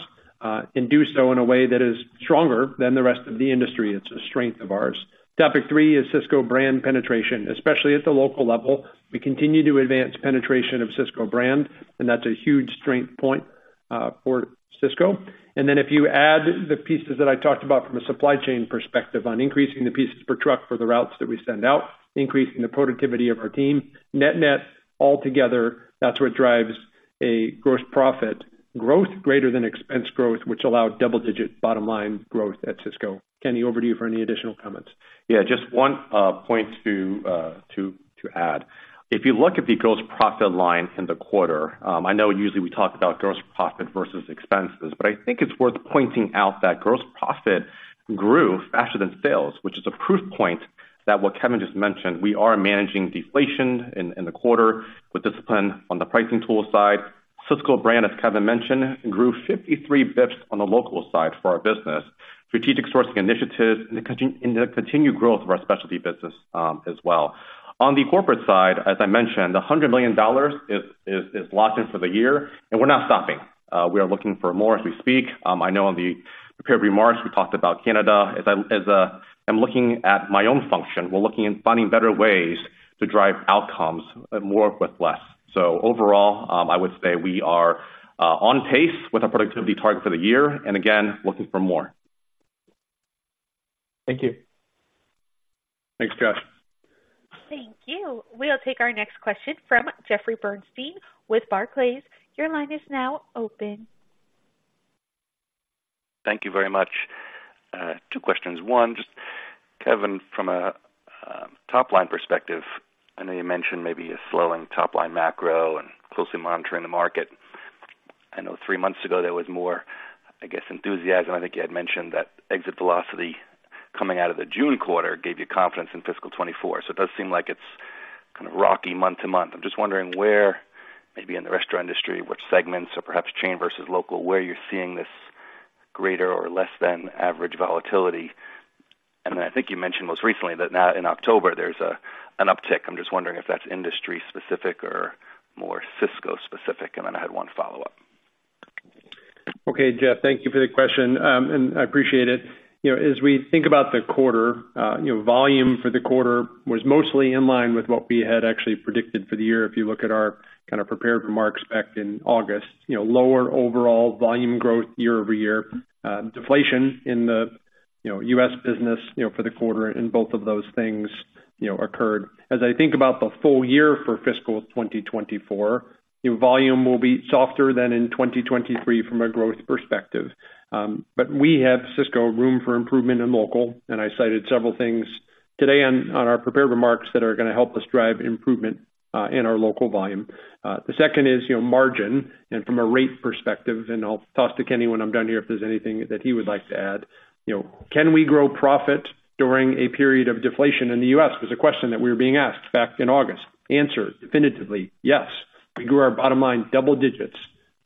and do so in a way that is stronger than the rest of the industry. It's a strength of ours. Topic three is Sysco Brand penetration, especially at the local level. We continue to advance penetration of Sysco Brand, and that's a huge strength point, for Sysco. Then if you add the pieces that I talked about from a supply chain perspective on increasing the pieces per truck for the routes that we send out, increasing the productivity of our team, net-net altogether, that's what drives a gross profit growth greater than expense growth, which allowed double-digit bottom line growth at Sysco. Kenny, over to you for any additional comments. Yeah, just one point to add. If you look at the gross profit line in the quarter, I know usually we talk about gross profit versus expenses, but I think it's worth pointing out that gross profit grew faster than sales, which is a proof point that what Kevin just mentioned, we are managing deflation in the quarter with discipline on the pricing tool side. Sysco Brand, as Kevin mentioned, grew 53 basis points on the local side for our business. Strategic sourcing initiatives and the continued growth of our specialty business, as well. On the corporate side, as I mentioned, $100 million is locked in for the year, and we're not stopping. We are looking for more as we speak. I know in the prepared remarks, we talked about Canada. As I'm looking at my own function, we're looking at finding better ways to drive outcomes, more with less. So overall, I would say we are on pace with our productivity target for the year, and again, looking for more. Thank you. Thanks, Josh. Thank you. We'll take our next question from Jeffrey Bernstein with Barclays. Your line is now open. Thank you very much. Two questions. One, just Kevin, from a top-line perspective, I know you mentioned maybe a slowing top-line macro and closely monitoring the market. I know three months ago there was more, I guess, enthusiasm. I think you had mentioned that exit velocity coming out of the June quarter gave you confidence in fiscal 2024. So it does seem like it's kind of rocky month-to-month. I'm just wondering where, maybe in the restaurant industry, which segments or perhaps chain versus local, where you're seeing this greater or less than average volatility. And then I think you mentioned most recently that now in October, there's an uptick. I'm just wondering if that's industry specific or more Sysco specific, and then I had one follow-up. Okay, Jeff, thank you for the question, and I appreciate it. You know, as we think about the quarter, you know, volume for the quarter was mostly in line with what we had actually predicted for the year. If you look at our kind of prepared remarks back in August, you know, lower overall volume growth year-over-year, deflation in the, you know, U.S. business, you know, for the quarter, and both of those things, you know, occurred. As I think about the full year for fiscal 2024, your volume will be softer than in 2023 from a growth perspective. But we have Sysco room for improvement in local, and I cited several things today on our prepared remarks that are gonna help us drive improvement in our local volume. The second is, you know, margin and from a rate perspective, and I'll toss to Kenny when I'm done here, if there's anything that he would like to add. You know, can we grow profit during a period of deflation in the U.S.? Was a question that we were being asked back in August. Answer: definitively, yes. We grew our bottom line double digits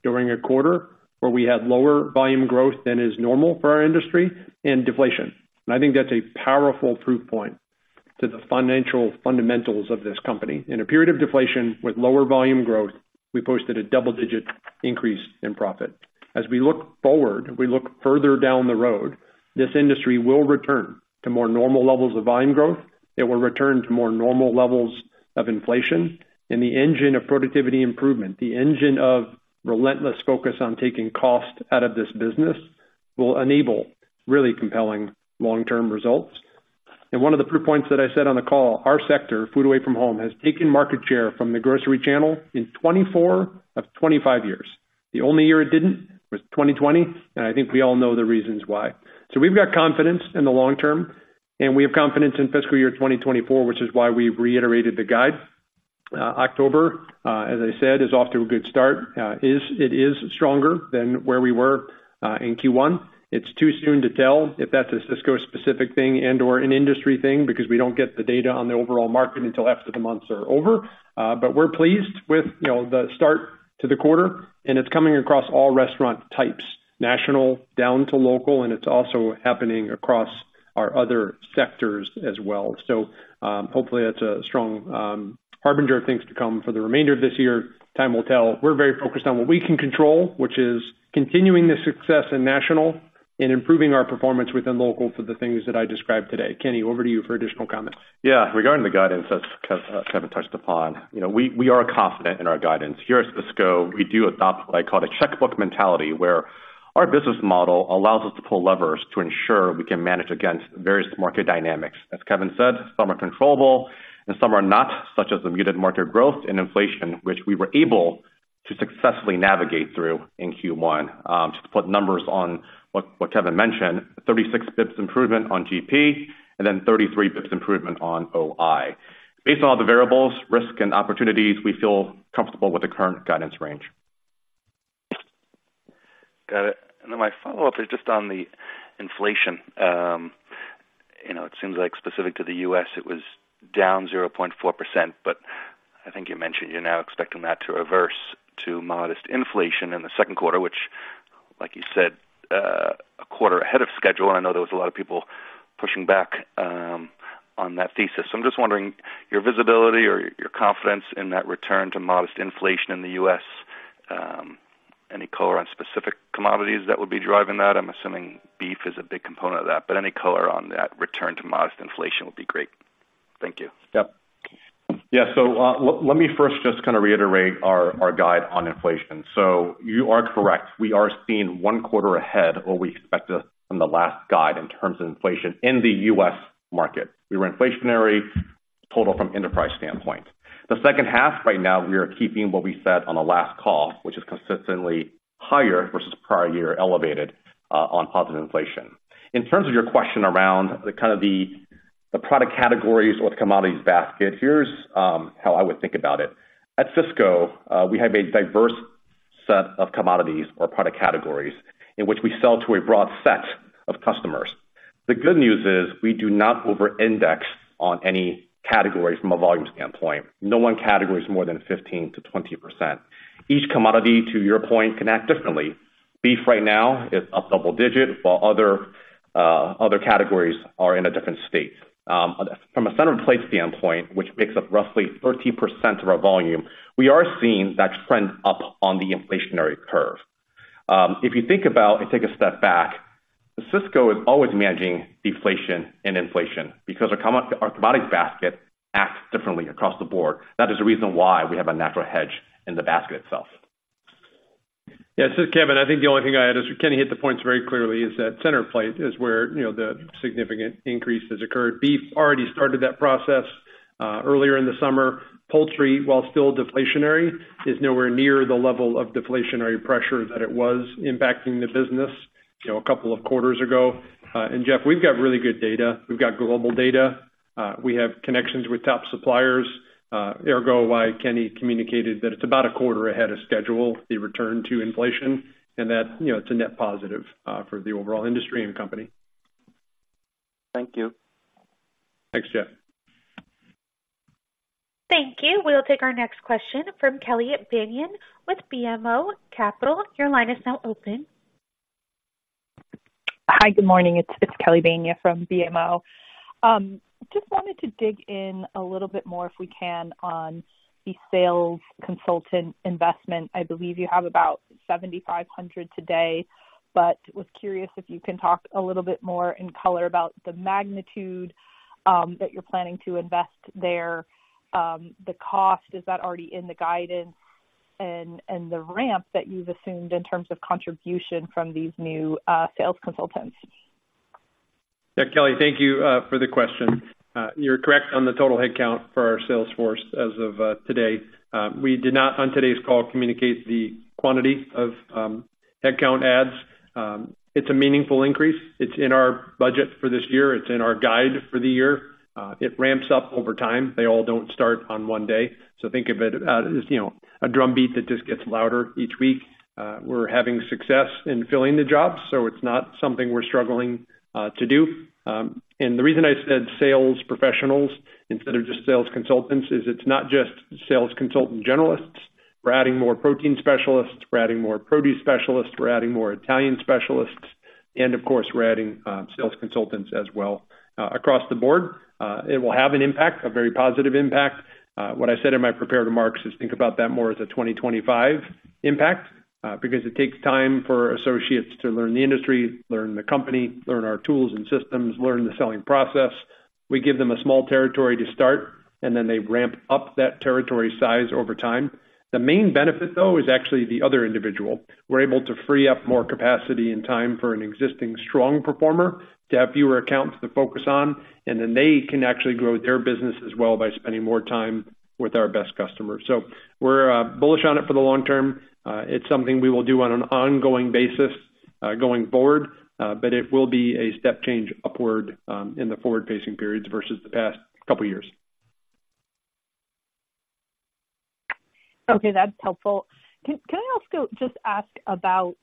during a quarter where we had lower volume growth than is normal for our industry and deflation. And I think that's a powerful proof point to the financial fundamentals of this company. In a period of deflation with lower volume growth, we posted a double-digit increase in profit. As we look forward, we look further down the road, this industry will return to more normal levels of volume growth. It will return to more normal levels of inflation and the engine of productivity improvement, the engine of relentless focus on taking cost out of this business will enable really compelling long-term results. And one of the proof points that I said on the call, our sector, food away from home, has taken market share from the grocery channel in 24 of 25 years. The only year it didn't was 2020, and I think we all know the reasons why. So we've got confidence in the long term, and we have confidence in fiscal year 2024, which is why we reiterated the guide. October, as I said, is off to a good start. It is stronger than where we were, in Q1. It's too soon to tell if that's a Sysco specific thing and/or an industry thing, because we don't get the data on the overall market until after the months are over. But we're pleased with, you know, the start to the quarter, and it's coming across all restaurant types, national down to local, and it's also happening across our other sectors as well. So, hopefully, that's a strong harbinger of things to come for the remainder of this year. Time will tell. We're very focused on what we can control, which is continuing the success in national and improving our performance within local for the things that I described today. Kenny, over to you for additional comments. Yeah, regarding the guidance, as Kevin touched upon, you know, we are confident in our guidance. Here at Sysco, we do adopt what I call a checkbook mentality, where our business model allows us to pull levers to ensure we can manage against various market dynamics. As Kevin said, some are controllable and some are not, such as the muted market growth and inflation, which we were able to successfully navigate through in Q1. Just to put numbers on what Kevin mentioned, 36 basis points improvement on GP and then 33 basis points improvement on OI. Based on all the variables, risk and opportunities, we feel comfortable with the current guidance range. Got it. And then my follow-up is just on the inflation. You know, it seems like specific to the U.S., it was down 0.4%, but I think you mentioned you're now expecting that to reverse to modest inflation in the second quarter, which, like you said, a quarter ahead of schedule, and I know there was a lot of people pushing back, on that thesis. So I'm just wondering, your visibility or your confidence in that return to modest inflation in the U.S., any color on specific commodities that would be driving that? I'm assuming beef is a big component of that, but any color on that return to modest inflation would be great. Thank you. Yep. Yeah, so let me first just kind of reiterate our guide on inflation. So you are correct. We are seeing one quarter ahead of what we expected from the last guide in terms of inflation in the U.S. market. We were inflationary total from enterprise standpoint. The second half, right now, we are keeping what we said on the last call, which is consistently higher versus prior year, elevated on positive inflation. In terms of your question around the kind of the product categories or the commodities basket, here's how I would think about it. At Sysco, we have a diverse set of commodities or product categories in which we sell to a broad set of customers. The good news is, we do not over-index on any categories from a volume standpoint. No one category is more than 15%-20%. Each commodity, to your point, can act differently. Beef right now is up double digit, while other categories are in a different state. From a center plate standpoint, which makes up roughly 30% of our volume, we are seeing that trend up on the inflationary curve. If you think about and take a step back, Sysco is always managing deflation and inflation because our commodity basket acts differently across the board. That is the reason why we have a natural hedge in the basket itself. Yeah, this is Kevin. I think the only thing I'd add is Kenny hit the points very clearly, is that center plate is where, you know, the significant increase has occurred. Beef already started that process earlier in the summer. Poultry, while still deflationary, is nowhere near the level of deflationary pressure that it was impacting the business, you know, a couple of quarters ago. And Jeff, we've got really good data. We've got global data. We have connections with top suppliers. Ergo, why Kenny communicated that it's about a quarter ahead of schedule, the return to inflation, and that, you know, it's a net positive for the overall industry and company. Thank you. Thanks, Jeff. Thank you. We'll take our next question from Kelly Bania with BMO Capital. Your line is now open. Hi, good morning. It's Kelly Bania from BMO. Just wanted to dig in a little bit more, if we can, on the sales consultant investment. I believe you have about 7,500 today, but was curious if you can talk a little bit more in color about the magnitude that you're planning to invest there. The cost, is that already in the guidance and the ramp that you've assumed in terms of contribution from these new sales consultants? Yeah, Kelly, thank you for the question. You're correct on the total headcount for our sales force as of today. We did not, on today's call, communicate the quantity of headcount adds. It's a meaningful increase. It's in our budget for this year. It's in our guide for the year. It ramps up over time. They all don't start on one day. So think of it as, you know, a drumbeat that just gets louder each week. We're having success in filling the jobs, so it's not something we're struggling to do. And the reason I said sales professionals instead of just sales consultants is it's not just sales consultant generalists. We're adding more protein specialists, we're adding more produce specialists, we're adding more Italian specialists, and of course, we're adding sales consultants as well. Across the board, it will have an impact, a very positive impact. What I said in my prepared remarks is think about that more as a 2025 impact, because it takes time for associates to learn the industry, learn the company, learn our tools and systems, learn the selling process. We give them a small territory to start, and then they ramp up that territory size over time. The main benefit, though, is actually the other individual. We're able to free up more capacity and time for an existing strong performer to have fewer accounts to focus on, and then they can actually grow their business as well by spending more time with our best customers. So we're bullish on it for the long term. It's something we will do on an ongoing basis, going forward, but it will be a step change upward, in the forward-facing periods versus the past couple years. Okay, that's helpful. Can I also just ask about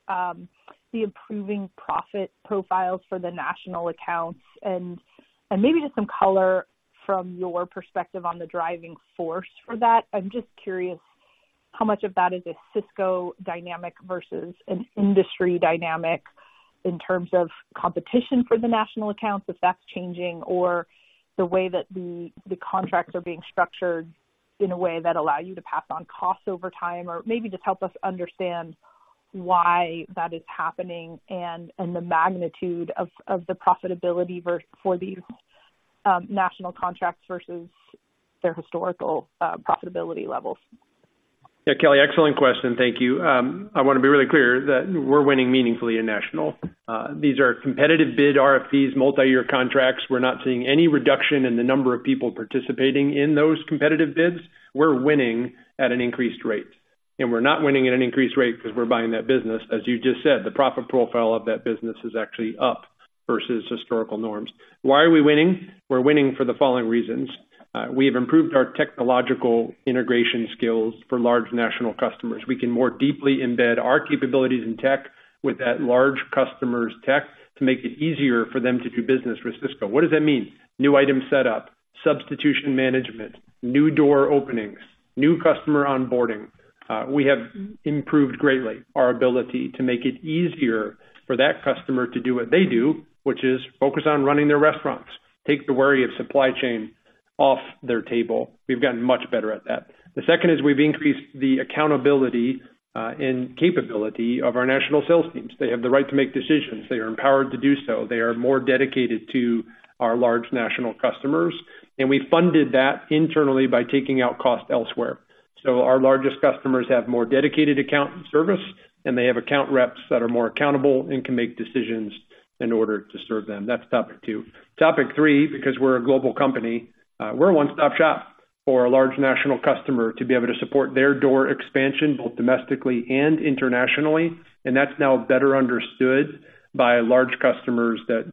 the improving profit profile for the national accounts and maybe just some color from your perspective on the driving force for that? I'm just curious how much of that is a Sysco dynamic versus an industry dynamic in terms of competition for the national accounts, if that's changing, or the way that the contracts are being structured in a way that allow you to pass on costs over time, or maybe just help us understand why that is happening and the magnitude of the profitability versus for these national contracts versus their historical profitability levels. Yeah, Kelly, excellent question. Thank you. I wanna be really clear that we're winning meaningfully in national. These are competitive bid RFPs, multi-year contracts. We're not seeing any reduction in the number of people participating in those competitive bids. We're winning at an increased rate, and we're not winning at an increased rate because we're buying that business. As you just said, the profit profile of that business is actually up versus historical norms. Why are we winning? We're winning for the following reasons: We've improved our technological integration skills for large national customers. We can more deeply embed our capabilities in tech with that large customer's tech to make it easier for them to do business with Sysco. What does that mean? New item set up, substitution management, new door openings, new customer onboarding. We have improved greatly our ability to make it easier for that customer to do what they do, which is focus on running their restaurants, take the worry of supply chain off their table. We've gotten much better at that. The second is we've increased the accountability, and capability of our national sales teams. They have the right to make decisions. They are empowered to do so. They are more dedicated to our large national customers, and we funded that internally by taking out cost elsewhere. So our largest customers have more dedicated account service, and they have account reps that are more accountable and can make decisions in order to serve them. That's topic two. Topic three, because we're a global company, we're a one-stop shop for a large national customer to be able to support their door expansion, both domestically and internationally, and that's now better understood by large customers that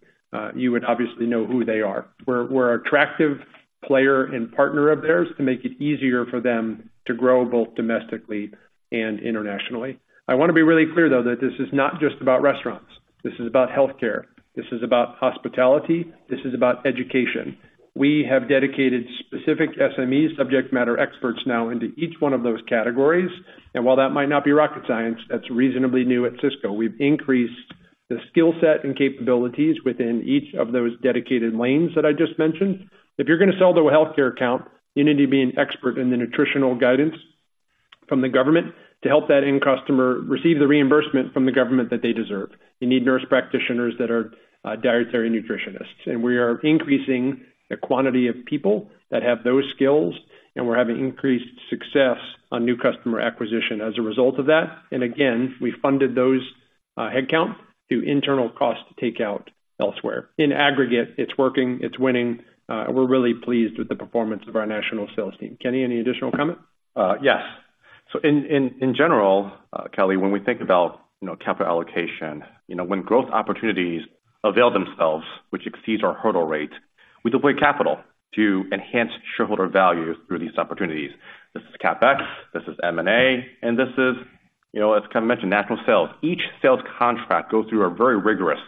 you would obviously know who they are. We're, we're attractive player and partner of theirs to make it easier for them to grow, both domestically and internationally. I wanna be really clear, though, that this is not just about restaurants. This is about healthcare, this is about hospitality, this is about education. We have dedicated specific SMEs, subject matter experts, now into each one of those categories. And while that might not be rocket science, that's reasonably new at Sysco. We've increased the skill set and capabilities within each of those dedicated lanes that I just mentioned. If you're gonna sell to a healthcare account, you need to be an expert in the nutritional guidance from the government to help that end customer receive the reimbursement from the government that they deserve. You need nurse practitioners that are dietary nutritionists, and we are increasing the quantity of people that have those skills, and we're having increased success on new customer acquisition as a result of that. And again, we funded those headcount through internal costs to take out elsewhere. In aggregate, it's working, it's winning, we're really pleased with the performance of our national sales team. Kenny, any additional comment? Yes. So in general, Kelly, when we think about, you know, capital allocation, you know, when growth opportunities avail themselves, which exceeds our hurdle rate, we deploy capital to enhance shareholder value through these opportunities. This is CapEx, this is M&A, and this is, you know, as Kevin mentioned, national sales. Each sales contract goes through a very rigorous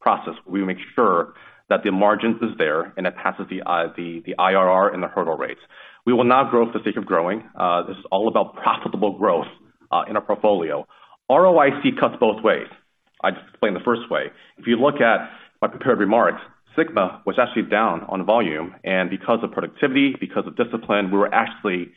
process. We make sure that the margins is there and it passes the IRR and the hurdle rates. We will not grow for the sake of growing. This is all about profitable growth in our portfolio. ROIC cuts both ways. I just explained the first way. If you look at my prepared remarks, SYGMA was actually down on volume, and because of productivity, because of discipline, we were actually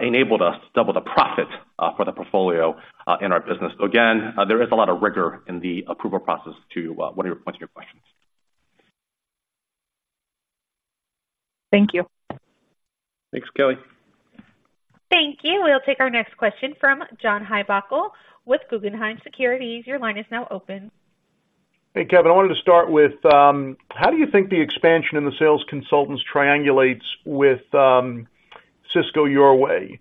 enabled us to double the profit for the portfolio in our business. So again, there is a lot of rigor in the approval process to answer your questions. Thank you. Thanks, Kelly. Thank you. We'll take our next question from John Heinbockel with Guggenheim Securities. Your line is now open. Hey, Kevin, I wanted to start with, how do you think the expansion in the sales consultants triangulates with, Sysco Your Way?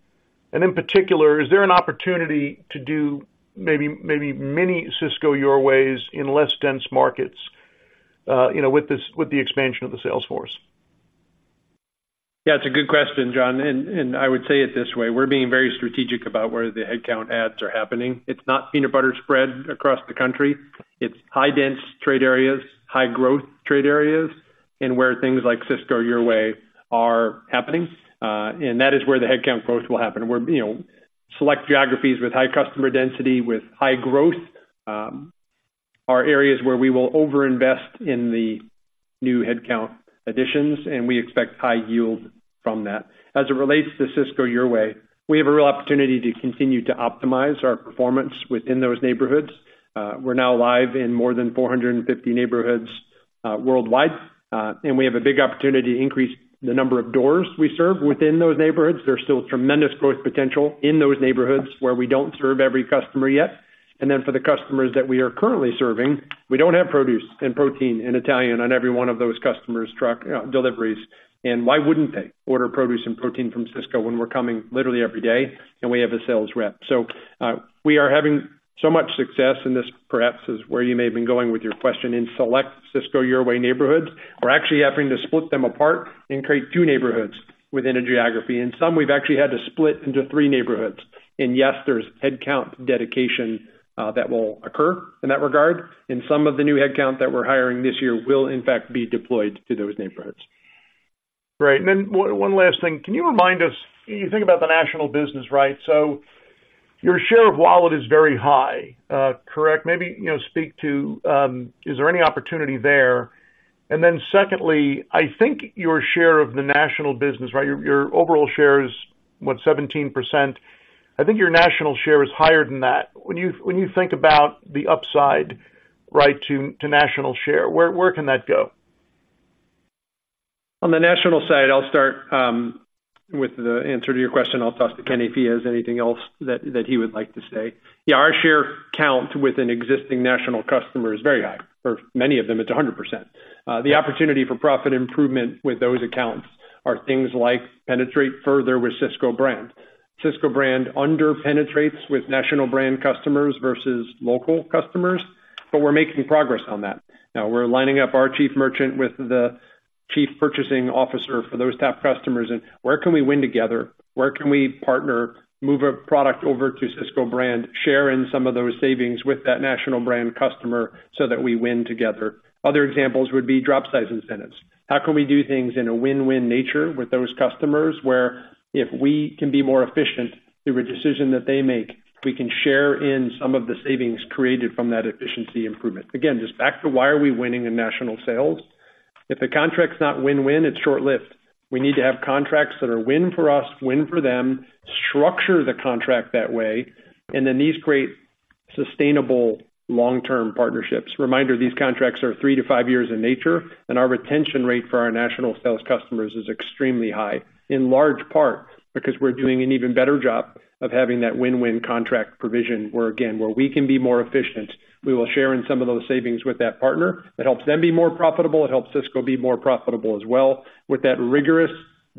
And in particular, is there an opportunity to do maybe, maybe many Sysco Your Ways in less dense markets, you know, with this, with the expansion of the sales force? Yeah, it's a good question, John, and I would say it this way: We're being very strategic about where the headcount adds are happening. It's not peanut butter spread across the country. It's high dense trade areas, high growth trade areas, and where things like Sysco Your Way are happening, and that is where the headcount growth will happen. We're, you know, select geographies with high customer density, with high growth, are areas where we will overinvest in the new headcount additions, and we expect high yield from that. As it relates to Sysco Your Way, we have a real opportunity to continue to optimize our performance within those neighborhoods. We're now live in more than 450 neighborhoods, worldwide, and we have a big opportunity to increase the number of doors we serve within those neighborhoods. There's still tremendous growth potential in those neighborhoods where we don't serve every customer yet. And then for the customers that we are currently serving, we don't have produce and protein and Italian on every one of those customers' truck deliveries. And why wouldn't they order produce and protein from Sysco when we're coming literally every day and we have a sales rep? So, we are having so much success, and this perhaps is where you may have been going with your question, in select Sysco Your Way neighborhoods. We're actually having to split them apart and create two neighborhoods within a geography. In some, we've actually had to split into three neighborhoods. And yes, there's headcount dedication that will occur in that regard, and some of the new headcount that we're hiring this year will in fact be deployed to those neighborhoods. Great. And then one last thing. Can you remind us. You think about the national business, right? So your share of wallet is very high, correct? Maybe, you know, speak to, is there any opportunity there? And then secondly, I think your share of the national business, right, your overall share is, what, 17%? I think your national share is higher than that. When you think about the upside, right, to national share, where can that go? On the national side, I'll start with the answer to your question. I'll toss to Kenny, if he has anything else that he would like to say. Yeah, our share count with an existing national customer is very high. For many of them, it's 100%. The opportunity for profit improvement with those accounts are things like penetrate further with Sysco Brand. Sysco Brand under penetrates with national brand customers versus local customers, but we're making progress on that. Now, we're lining up our chief merchant with the chief purchasing officer for those top customers, and where can we win together? Where can we partner, move a product over to Sysco Brand, share in some of those savings with that national brand customer so that we win together? Other examples would be drop size incentives. How can we do things in a win-win nature with those customers, where if we can be more efficient through a decision that they make, we can share in some of the savings created from that efficiency improvement? Again, just back to why are we winning in national sales? If the contract's not win-win, it's short-lived. We need to have contracts that are win for us, win for them, structure the contract that way, and then these sustainable long-term partnerships. Reminder, these contracts are three to five years in nature, and our retention rate for our national sales customers is extremely high, in large part because we're doing an even better job of having that win-win contract provision, where, again, where we can be more efficient, we will share in some of those savings with that partner. It helps them be more profitable, it helps Sysco be more profitable as well, with that rigorous,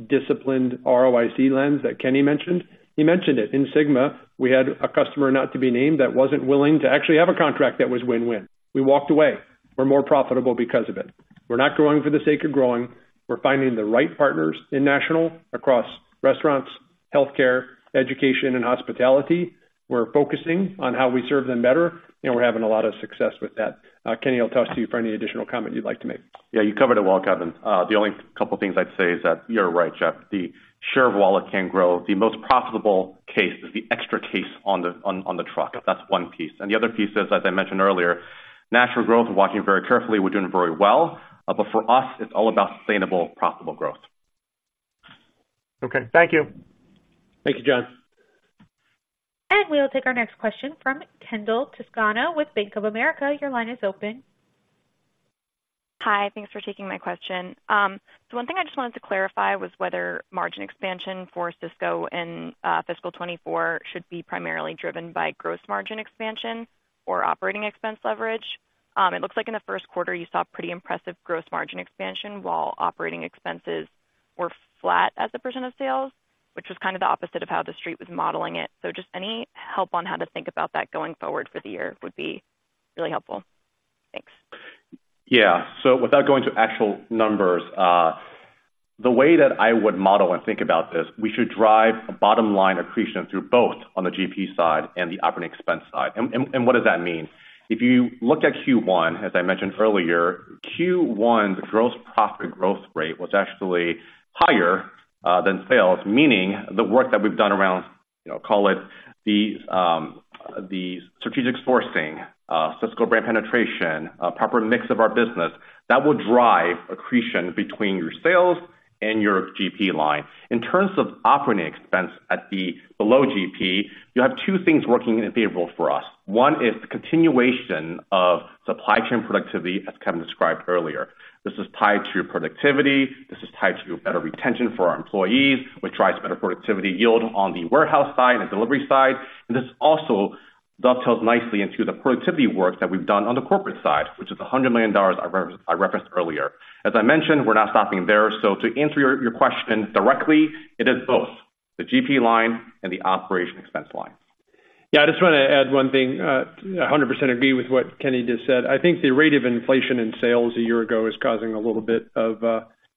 disciplined ROIC lens that Kenny mentioned. He mentioned it. In SYGMA, we had a customer, not to be named, that wasn't willing to actually have a contract that was win-win. We walked away. We're more profitable because of it. We're not growing for the sake of growing. We're finding the right partners in national, across restaurants, healthcare, education, and hospitality. We're focusing on how we serve them better, and we're having a lot of success with that. Kenny, I'll toss to you for any additional comment you'd like to make. Yeah, you covered it well, Kevin. The only couple of things I'd say is that you're right, Jeff, the share of wallet can grow. The most profitable case is the extra case on the truck. That's one piece. And the other piece is, as I mentioned earlier, natural growth and watching very carefully, we're doing very well. But for us, it's all about sustainable, profitable growth. Okay. Thank you. Thank you, John. We will take our next question from Kendall Toscano with Bank of America. Your line is open. Hi, thanks for taking my question. So one thing I just wanted to clarify was whether margin expansion for Sysco in fiscal 2024 should be primarily driven by gross margin expansion or operating expense leverage. It looks like in the first quarter, you saw pretty impressive gross margin expansion, while operating expenses were flat as a percent of sales, which was kind of the opposite of how the street was modeling it. So just any help on how to think about that going forward for the year would be really helpful. Thanks. Yeah. So without going to actual numbers, the way that I would model and think about this, we should drive a bottom line accretion through both on the GP side and the operating expense side. And what does that mean? If you look at Q1, as I mentioned earlier, Q1's gross profit growth rate was actually higher than sales, meaning the work that we've done around, you know, call it the strategic sourcing, Sysco brand penetration, proper mix of our business, that will drive accretion between your sales and your GP line. In terms of operating expense below the GP, you have two things working in our favor. One is the continuation of supply chain productivity, as Kevin described earlier. This is tied to productivity, this is tied to better retention for our employees, which drives better productivity yield on the warehouse side and delivery side. This also dovetails nicely into the productivity work that we've done on the corporate side, which is the $100 million I referenced earlier. As I mentioned, we're not stopping there. So to answer your question directly, it is both the GP line and the operating expense line. Yeah, I just wanna add one thing. I 100% agree with what Kenny just said. I think the rate of inflation in sales a year ago is causing a little bit of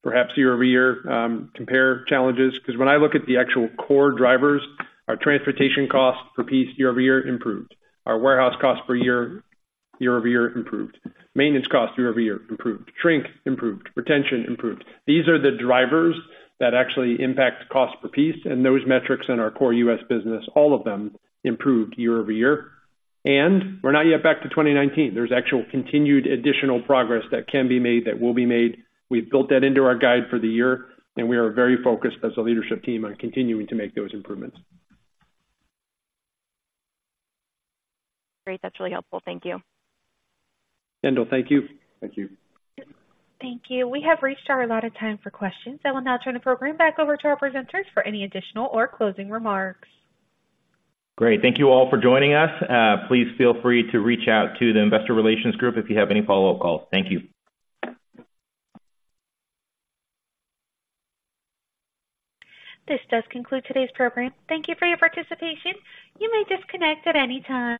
perhaps year-over-year compare challenges, 'cause when I look at the actual core drivers, our transportation costs per piece, year-over-year, improved. Our warehouse costs per year, year-over-year, improved. Maintenance costs year-over-year, improved. Shrink, improved. Retention, improved. These are the drivers that actually impact cost per piece, and those metrics in our core U.S. business, all of them improved year-over-year, and we're not yet back to 2019. There's actual continued additional progress that can be made, that will be made. We've built that into our guide for the year, and we are very focused as a leadership team on continuing to make those improvements. Great. That's really helpful. Thank you. Kendall, thank you. Thank you. Thank you. We have reached our allotted time for questions. I will now turn the program back over to our presenters for any additional or closing remarks. Great. Thank you all for joining us. Please feel free to reach out to the investor relations group if you have any follow-up calls. Thank you. This does conclude today's program. Thank you for your participation. You may disconnect at any time.